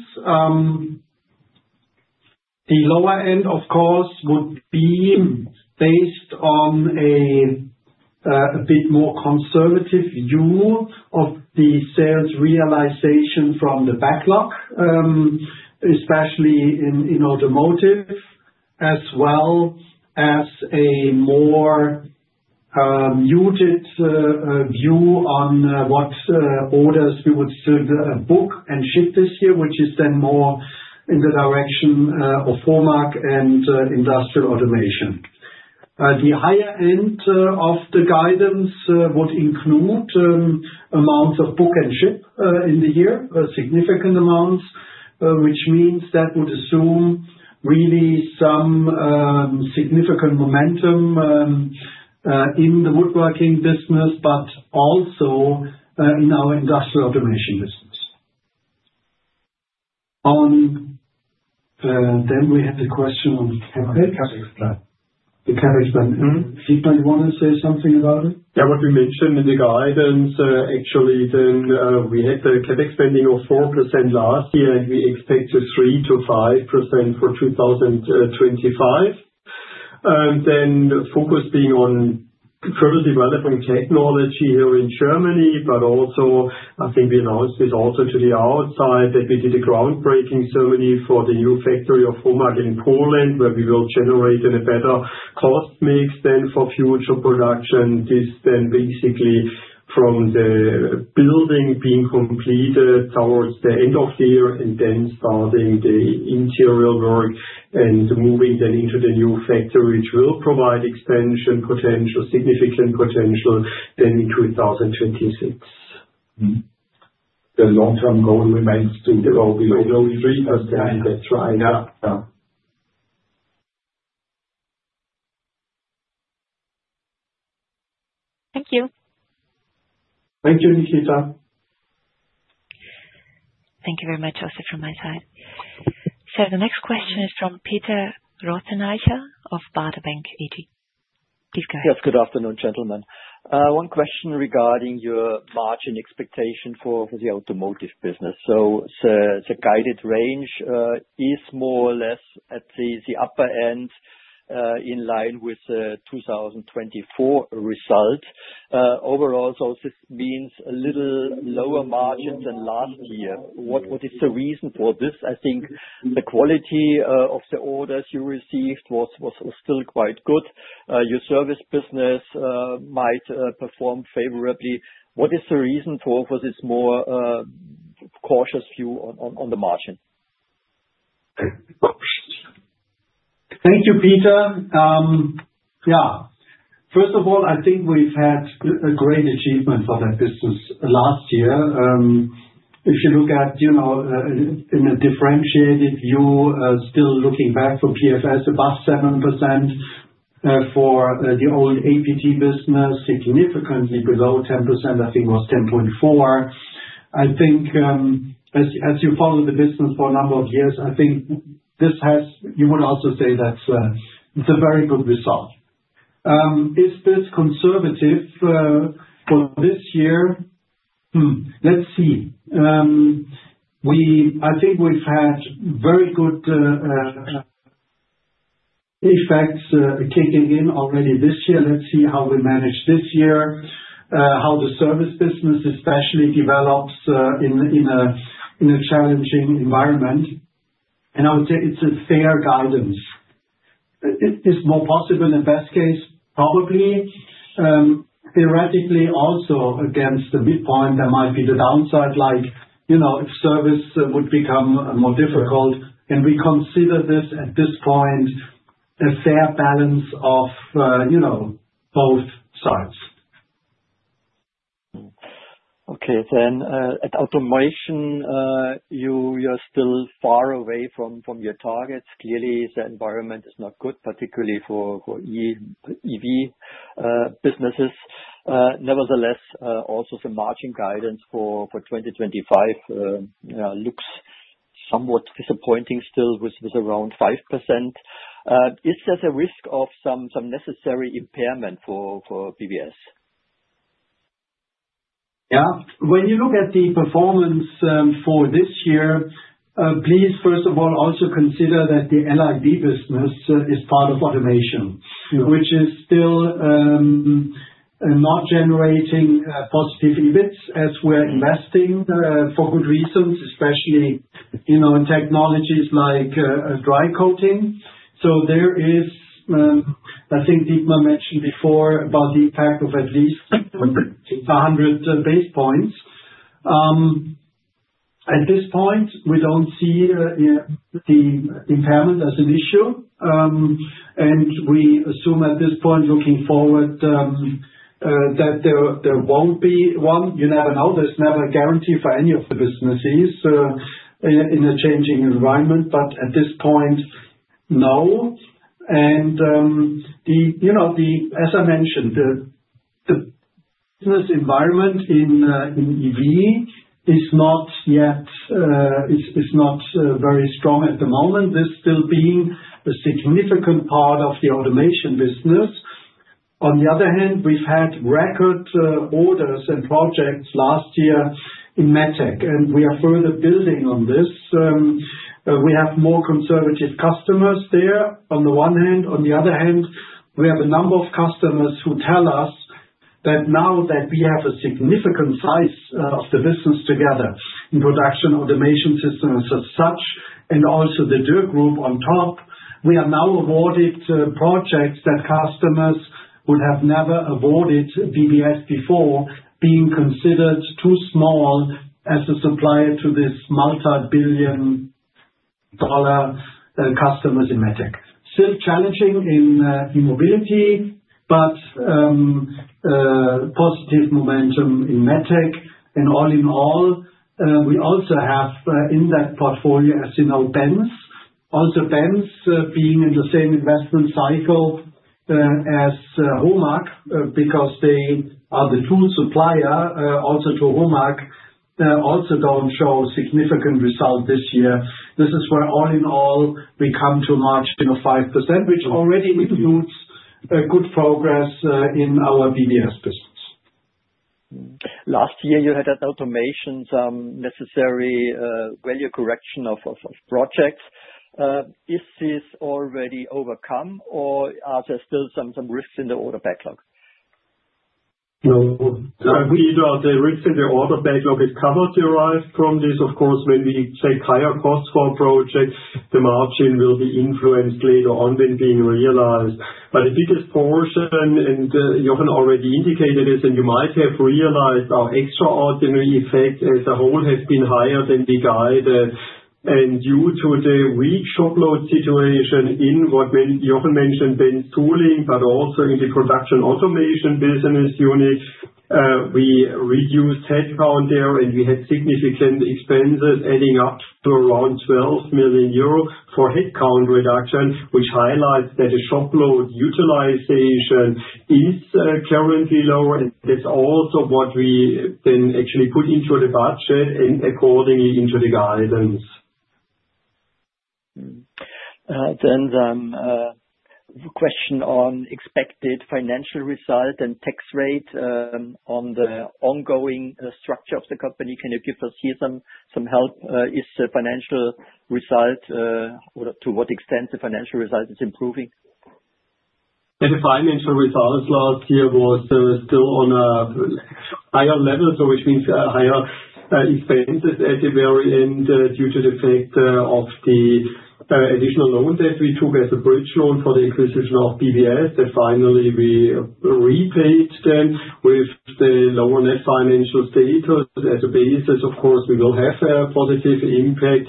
the lower end, of course, would be based on a bit more conservative view of the sales realization from the backlog, especially in automotive, as well as a more muted view on what orders we would still book and ship this year, which is then more in the direction of HOMAC and industrial automation. The higher end of the guidance would include amounts of book and ship in the year, significant amounts, which means that would assume really some significant momentum in the woodworking business, but also in our industrial automation business. We had a question on CapEx. The CapEx spending. Did anybody want to say something about it? Yeah, what we mentioned in the guidance, actually, then we had the CapEx spending of 4% last year, and we expect 3-5% for 2025. Focus being on further developing technology here in Germany, but also I think we announced this also to the outside that we did a groundbreaking ceremony for the new factory of HOMAG in Poland, where we will generate a better cost mix then for future production. This then basically from the building being completed towards the end of the year and then starting the interior work and moving then into the new factory, which will provide expansion potential, significant potential then in 2026. The long-term goal remains to grow below 3%. That's right. Yeah. Thank you. Thank you, Nikita. Thank you very much also for my time. The next question is from Peter Rothenaicher of Baader Bank. Please, guys. Yes, good afternoon, gentlemen. One question regarding your margin expectation for the automotive business. The guided range is more or less at the upper end in line with the 2024 result. Overall, this means a little lower margin than last year. What is the reason for this? I think the quality of the orders you received was still quite good. Your service business might perform favorably. What is the reason for this more cautious view on the margin? Thank you, Peter. Yeah. First of all, I think we've had a great achievement for that business last year. If you look at in a differentiated view, still looking back for PFS, above 7% for the old APT business, significantly below 10%. I think it was 10.4. I think as you follow the business for a number of years, I think this has you would also say that's a very good result. Is this conservative for this year? Let's see. I think we've had very good effects kicking in already this year. Let's see how we manage this year, how the service business especially develops in a challenging environment. I would say it's a fair guidance. It's more possible in best case, probably. Theoretically, also against the midpoint, there might be the downside like if service would become more difficult. We consider this at this point a fair balance of both sides. Okay. At automation, you are still far away from your targets. Clearly, the environment is not good, particularly for EV businesses. Nevertheless, also the margin guidance for 2025 looks somewhat disappointing still with around 5%. Is there a risk of some necessary impairment for BBS? Yeah. When you look at the performance for this year, please, first of all, also consider that the LID business is part of automation, which is still not generating positive EBITs as we're investing for good reasons, especially technologies like dry coating. There is, I think Deepa mentioned before about the impact of at least 100 basis points. At this point, we do not see the impairment as an issue. We assume at this point, looking forward, that there will not be one. You never know. There is never a guarantee for any of the businesses in a changing environment. At this point, no. As I mentioned, the business environment in EV is not yet very strong at the moment. This is still being a significant part of the automation business. On the other hand, we've had record orders and projects last year in Medtech, and we are further building on this. We have more conservative customers there on the one hand. On the other hand, we have a number of customers who tell us that now that we have a significant size of the business together in production automation systems as such, and also the Dürr group on top, we are now awarded projects that customers would have never awarded BBS before, being considered too small as a supplier to these multi-billion dollar customers in Medtech. Still challenging in mobility, but positive momentum in Medtech. All in all, we also have in that portfolio, as you know, Benz. Also Benz being in the same investment cycle as HOMAG because they are the full supplier also to HOMAG, also don't show significant result this year. This is where all in all, we come to a margin of 5%, which already includes good progress in our BBS business. Last year, you had an automation necessary value correction of projects. Is this already overcome, or are there still some risks in the order backlog? No, the risks in the order backlog is covered. Derived from this, of course, when we take higher costs for a project, the margin will be influenced later on when being realized. The biggest portion, and Jochen already indicated this, and you might have realized our extraordinary effect as a whole has been higher than the guide. Due to the weak shopload situation in what Jochen mentioned, Benz tooling, but also in the production automation business unit, we reduced headcount there, and we had significant expenses adding up to around 12 million euro for headcount reduction, which highlights that the shopload utilization is currently low. That is also what we then actually put into the budget and accordingly into the guidance. The question on expected financial result and tax rate on the ongoing structure of the company. Can you give us here some help? Is the financial result, or to what extent the financial result is improving? The financial result last year was still on a higher level, which means higher expenses at the very end due to the fact of the additional loan that we took as a bridge loan for the acquisition of BBS that finally we repaid them with the lower net financial status as a basis. Of course, we will have a positive impact.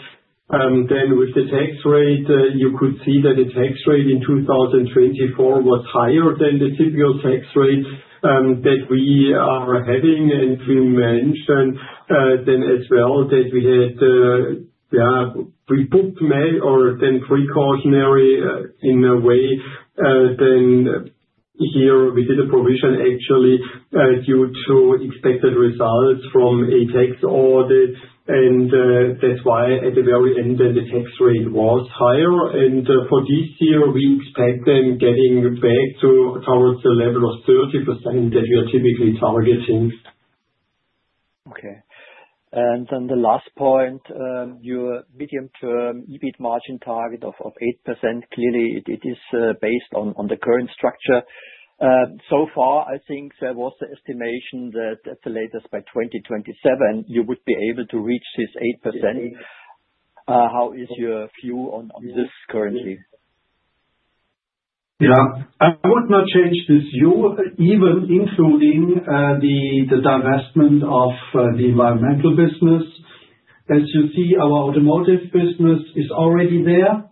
With the tax rate, you could see that the tax rate in 2024 was higher than the typical tax rate that we are having. We mentioned then as well that we had, yeah, we booked or then precautionary in a way. Here we did a provision actually due to expected results from a tax audit. That is why at the very end the tax rate was higher. For this year, we expect them getting back towards the level of 30% that we are typically targeting. Okay. The last point, your medium-term EBIT margin target of 8%. Clearly, it is based on the current structure. So far, I think there was the estimation that at the latest by 2027, you would be able to reach this 8%. How is your view on this currently? Yeah. I would not change this view, even including the divestment of the environmental business. As you see, our automotive business is already there.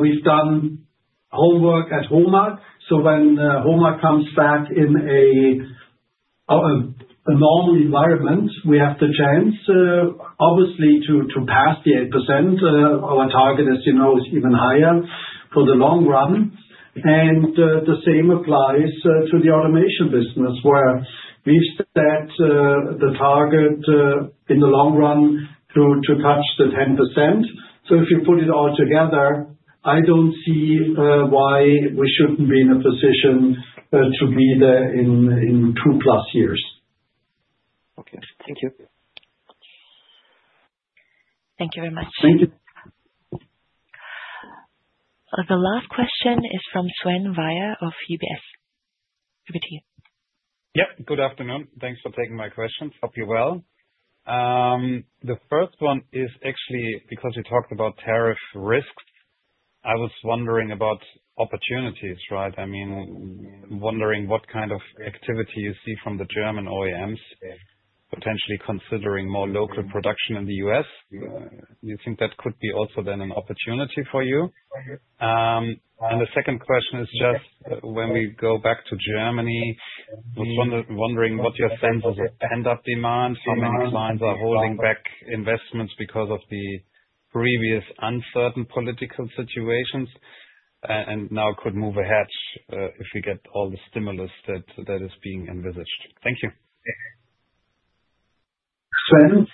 We've done homework at HOMAC. When HOMAC comes back in a normal environment, we have the chance, obviously, to pass the 8%. Our target, as you know, is even higher for the long run. The same applies to the automation business, where we've set the target in the long run to touch the 10%. If you put it all together, I don't see why we shouldn't be in a position to be there in two plus years. Okay. Thank you. Thank you very much. Thank you. The last question is from Sven Maier of UBS. Over to you. Yep. Good afternoon. Thanks for taking my questions. Hope you're well. The first one is actually because you talked about tariff risks. I was wondering about opportunities, right? I mean, wondering what kind of activity you see from the German OEMs potentially considering more local production in the US. You think that could be also then an opportunity for you? The second question is just when we go back to Germany, I was wondering what your sense is of pent-up demand, how many clients are holding back investments because of the previous uncertain political situations, and now could move ahead if we get all the stimulus that is being envisaged. Thank you. Sven,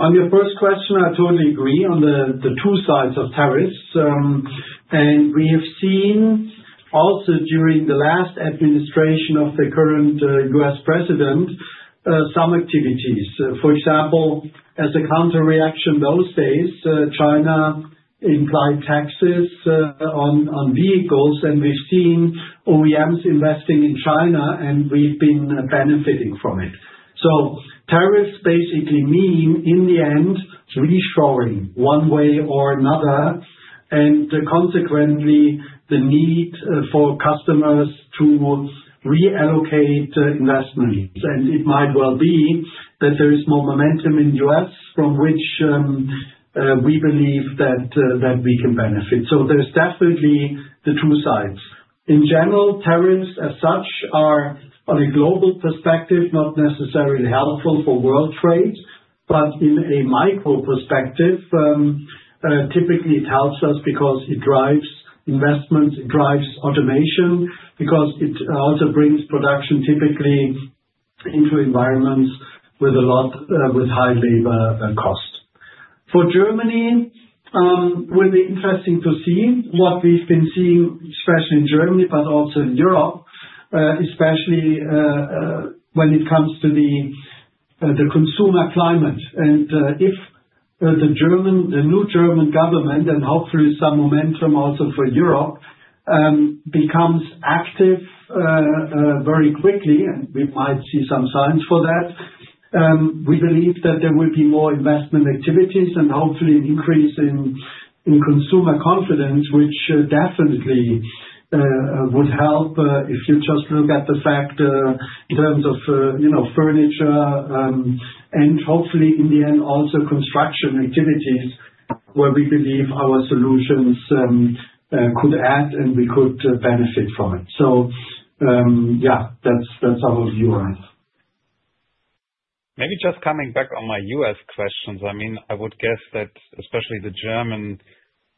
on your first question, I totally agree on the two sides of tariffs. We have seen also during the last administration of the current US president some activities. For example, as a counterreaction those days, China implied taxes on vehicles, and we've seen OEMs investing in China, and we've been benefiting from it. Tariffs basically mean in the end reshoring one way or another, and consequently the need for customers to reallocate investments. It might well be that there is more momentum in the US from which we believe that we can benefit. There are definitely the two sides. In general, tariffs as such are on a global perspective, not necessarily helpful for world trade, but in a micro perspective, typically it helps us because it drives investments, it drives automation, because it also brings production typically into environments with a lot with high labor cost. For Germany, it will be interesting to see what we've been seeing, especially in Germany, but also in Europe, especially when it comes to the consumer climate. If the new German government, and hopefully some momentum also for Europe, becomes active very quickly, and we might see some signs for that, we believe that there will be more investment activities and hopefully an increase in consumer confidence, which definitely would help if you just look at the fact in terms of furniture and hopefully in the end also construction activities where we believe our solutions could add and we could benefit from it. Yeah, that's our view on it. Maybe just coming back on my US questions, I mean, I would guess that especially the German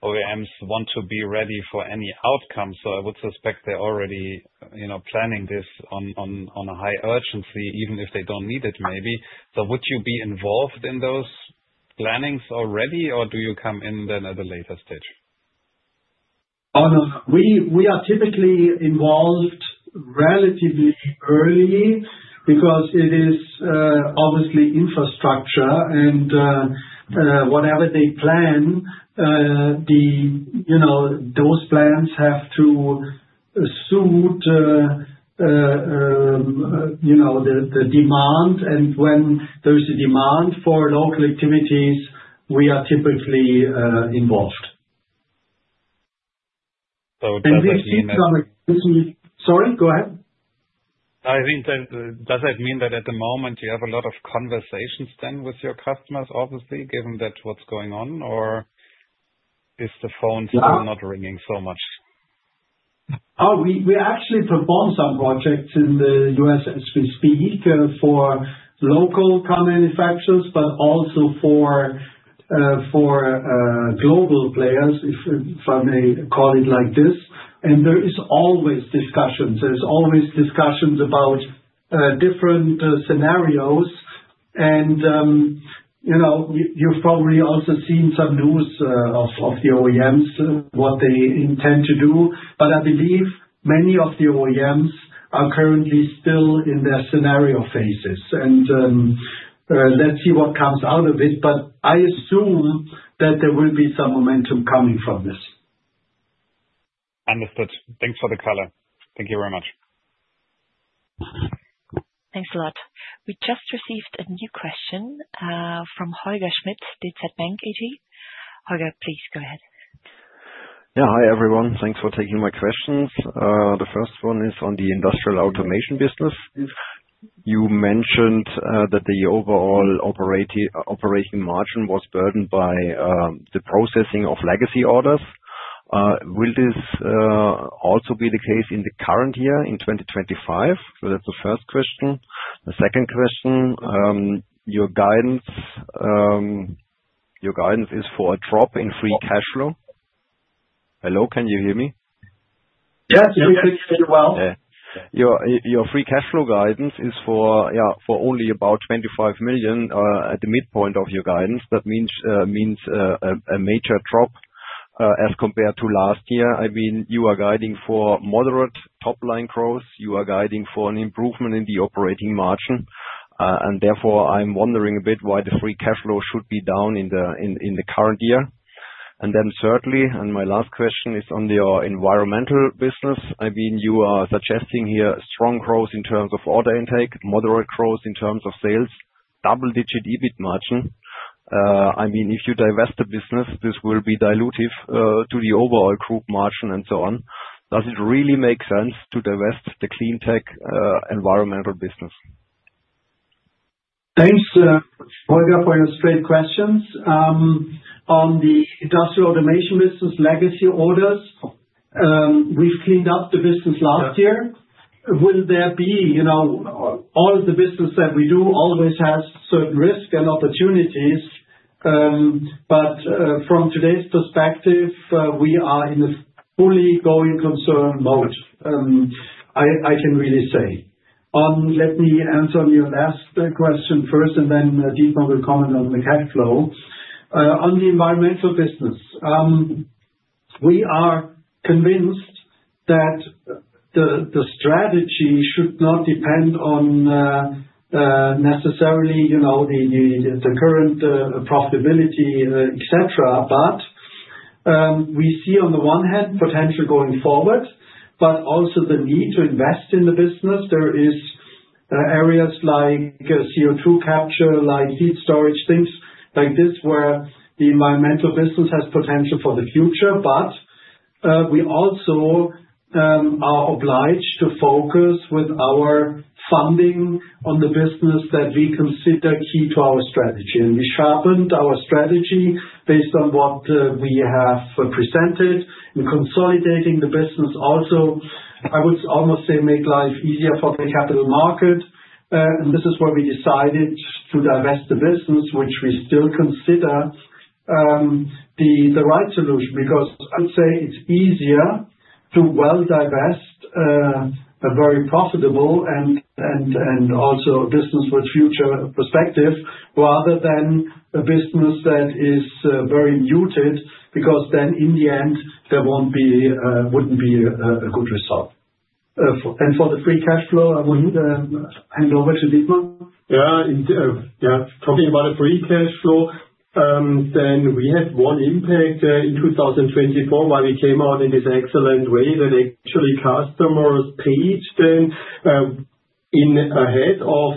OEMs want to be ready for any outcome. I would suspect they're already planning this on a high urgency, even if they do not need it maybe. Would you be involved in those plannings already, or do you come in then at a later stage? Oh, no. We are typically involved relatively early because it is obviously infrastructure. Whatever they plan, those plans have to suit the demand. When there is a demand for local activities, we are typically involved. We've seen some—sorry, go ahead. Does that mean that at the moment you have a lot of conversations then with your customers, obviously, given that what's going on, or is the phone still not ringing so much? Oh, we actually perform some projects in the US as we speak for local car manufacturers, but also for global players, if I may call it like this. There is always discussion. There are always discussions about different scenarios. You've probably also seen some news of the OEMs, what they intend to do. I believe many of the OEMs are currently still in their scenario phases. Let's see what comes out of it. I assume that there will be some momentum coming from this. Understood. Thanks for the color. Thank you very much. Thanks a lot. We just received a new question from Holger Schmidt at DZ Bank. Holger, please go ahead. Yeah. Hi everyone. Thanks for taking my questions. The first one is on the industrial automation business. You mentioned that the overall operating margin was burdened by the processing of legacy orders. Will this also be the case in the current year, in 2025? That's the first question. The second question, your guidance is for a drop in free cash flow. Hello, can you hear me? Yes, we can hear you well. Your free cash flow guidance is for, yeah, for only about 25 million at the midpoint of your guidance. That means a major drop as compared to last year. I mean, you are guiding for moderate top-line growth. You are guiding for an improvement in the operating margin. Therefore, I'm wondering a bit why the free cash flow should be down in the current year. Thirdly, and my last question is on your environmental business. I mean, you are suggesting here strong growth in terms of order intake, moderate growth in terms of sales, double-digit EBIT margin. I mean, if you divest the business, this will be dilutive to the overall group margin and so on. Does it really make sense to divest the clean tech environmental business? Thanks, Holger, for your straight questions. On the industrial automation business legacy orders, we've cleaned up the business last year. Will there be all the business that we do always has certain risks and opportunities? From today's perspective, we are in a fully going concern mode, I can really say. Let me answer your last question first, and then Dietmar will comment on the cash flow. On the environmental business, we are convinced that the strategy should not depend on necessarily the current profitability, etc. We see on the one hand potential going forward, but also the need to invest in the business. There are areas like CO2 capture, like heat storage, things like this where the environmental business has potential for the future. We also are obliged to focus with our funding on the business that we consider key to our strategy. We sharpened our strategy based on what we have presented in consolidating the business. Also, I would almost say make life easier for the capital market. This is where we decided to divest the business, which we still consider the right solution because I would say it's easier to divest a very profitable and also a business with future perspective rather than a business that is very muted because then in the end, there wouldn't be a good result. For the free cash flow, I would hand over to Dietmar. Yeah. Talking about the free cash flow, we had one impact in 2024 where we came out in this excellent way that actually customers paid ahead of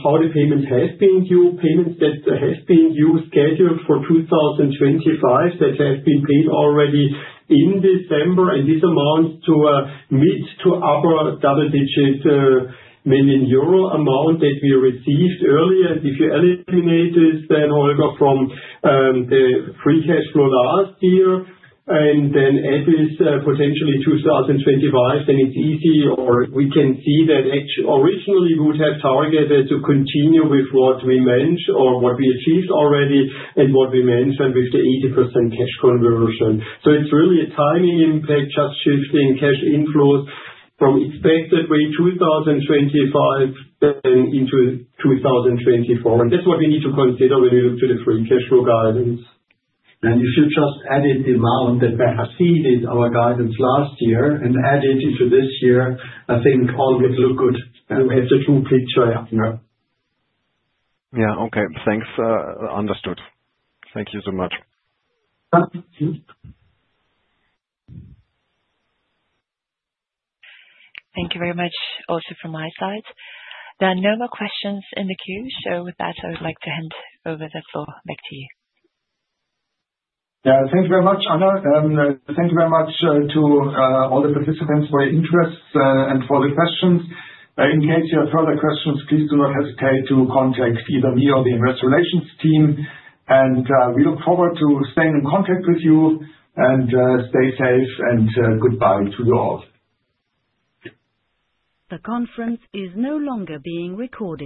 how the payments have been due, payments that have been due scheduled for 2025 that have been paid already in December. This amounts to a mid- to upper double-digit million EUR amount that we received earlier. If you eliminate this, Holger, from the free cash flow last year and then add this potentially 2025, it is easy or we can see that originally we would have targeted to continue with what we mentioned or what we achieved already and what we mentioned with the 80% cash conversion. It is really a timing impact, just shifting cash inflows from expected way 2025 into 2024. That is what we need to consider when we look to the free cash flow guidance. If you just added the amount that we have seen in our guidance last year and added into this year, I think all would look good. You have the true picture. Yeah. Yeah. Okay. Thanks. Understood. Thank you so much. Thank you very much also from my side. There are no more questions in the queue. With that, I would like to hand over the floor back to you. Yeah. Thank you very much, Anna. Thank you very much to all the participants for your interest and for the questions. In case you have further questions, please do not hesitate to contact either me or the investor relations team. We look forward to staying in contact with you. Stay safe and goodbye to you all. The conference is no longer being recorded.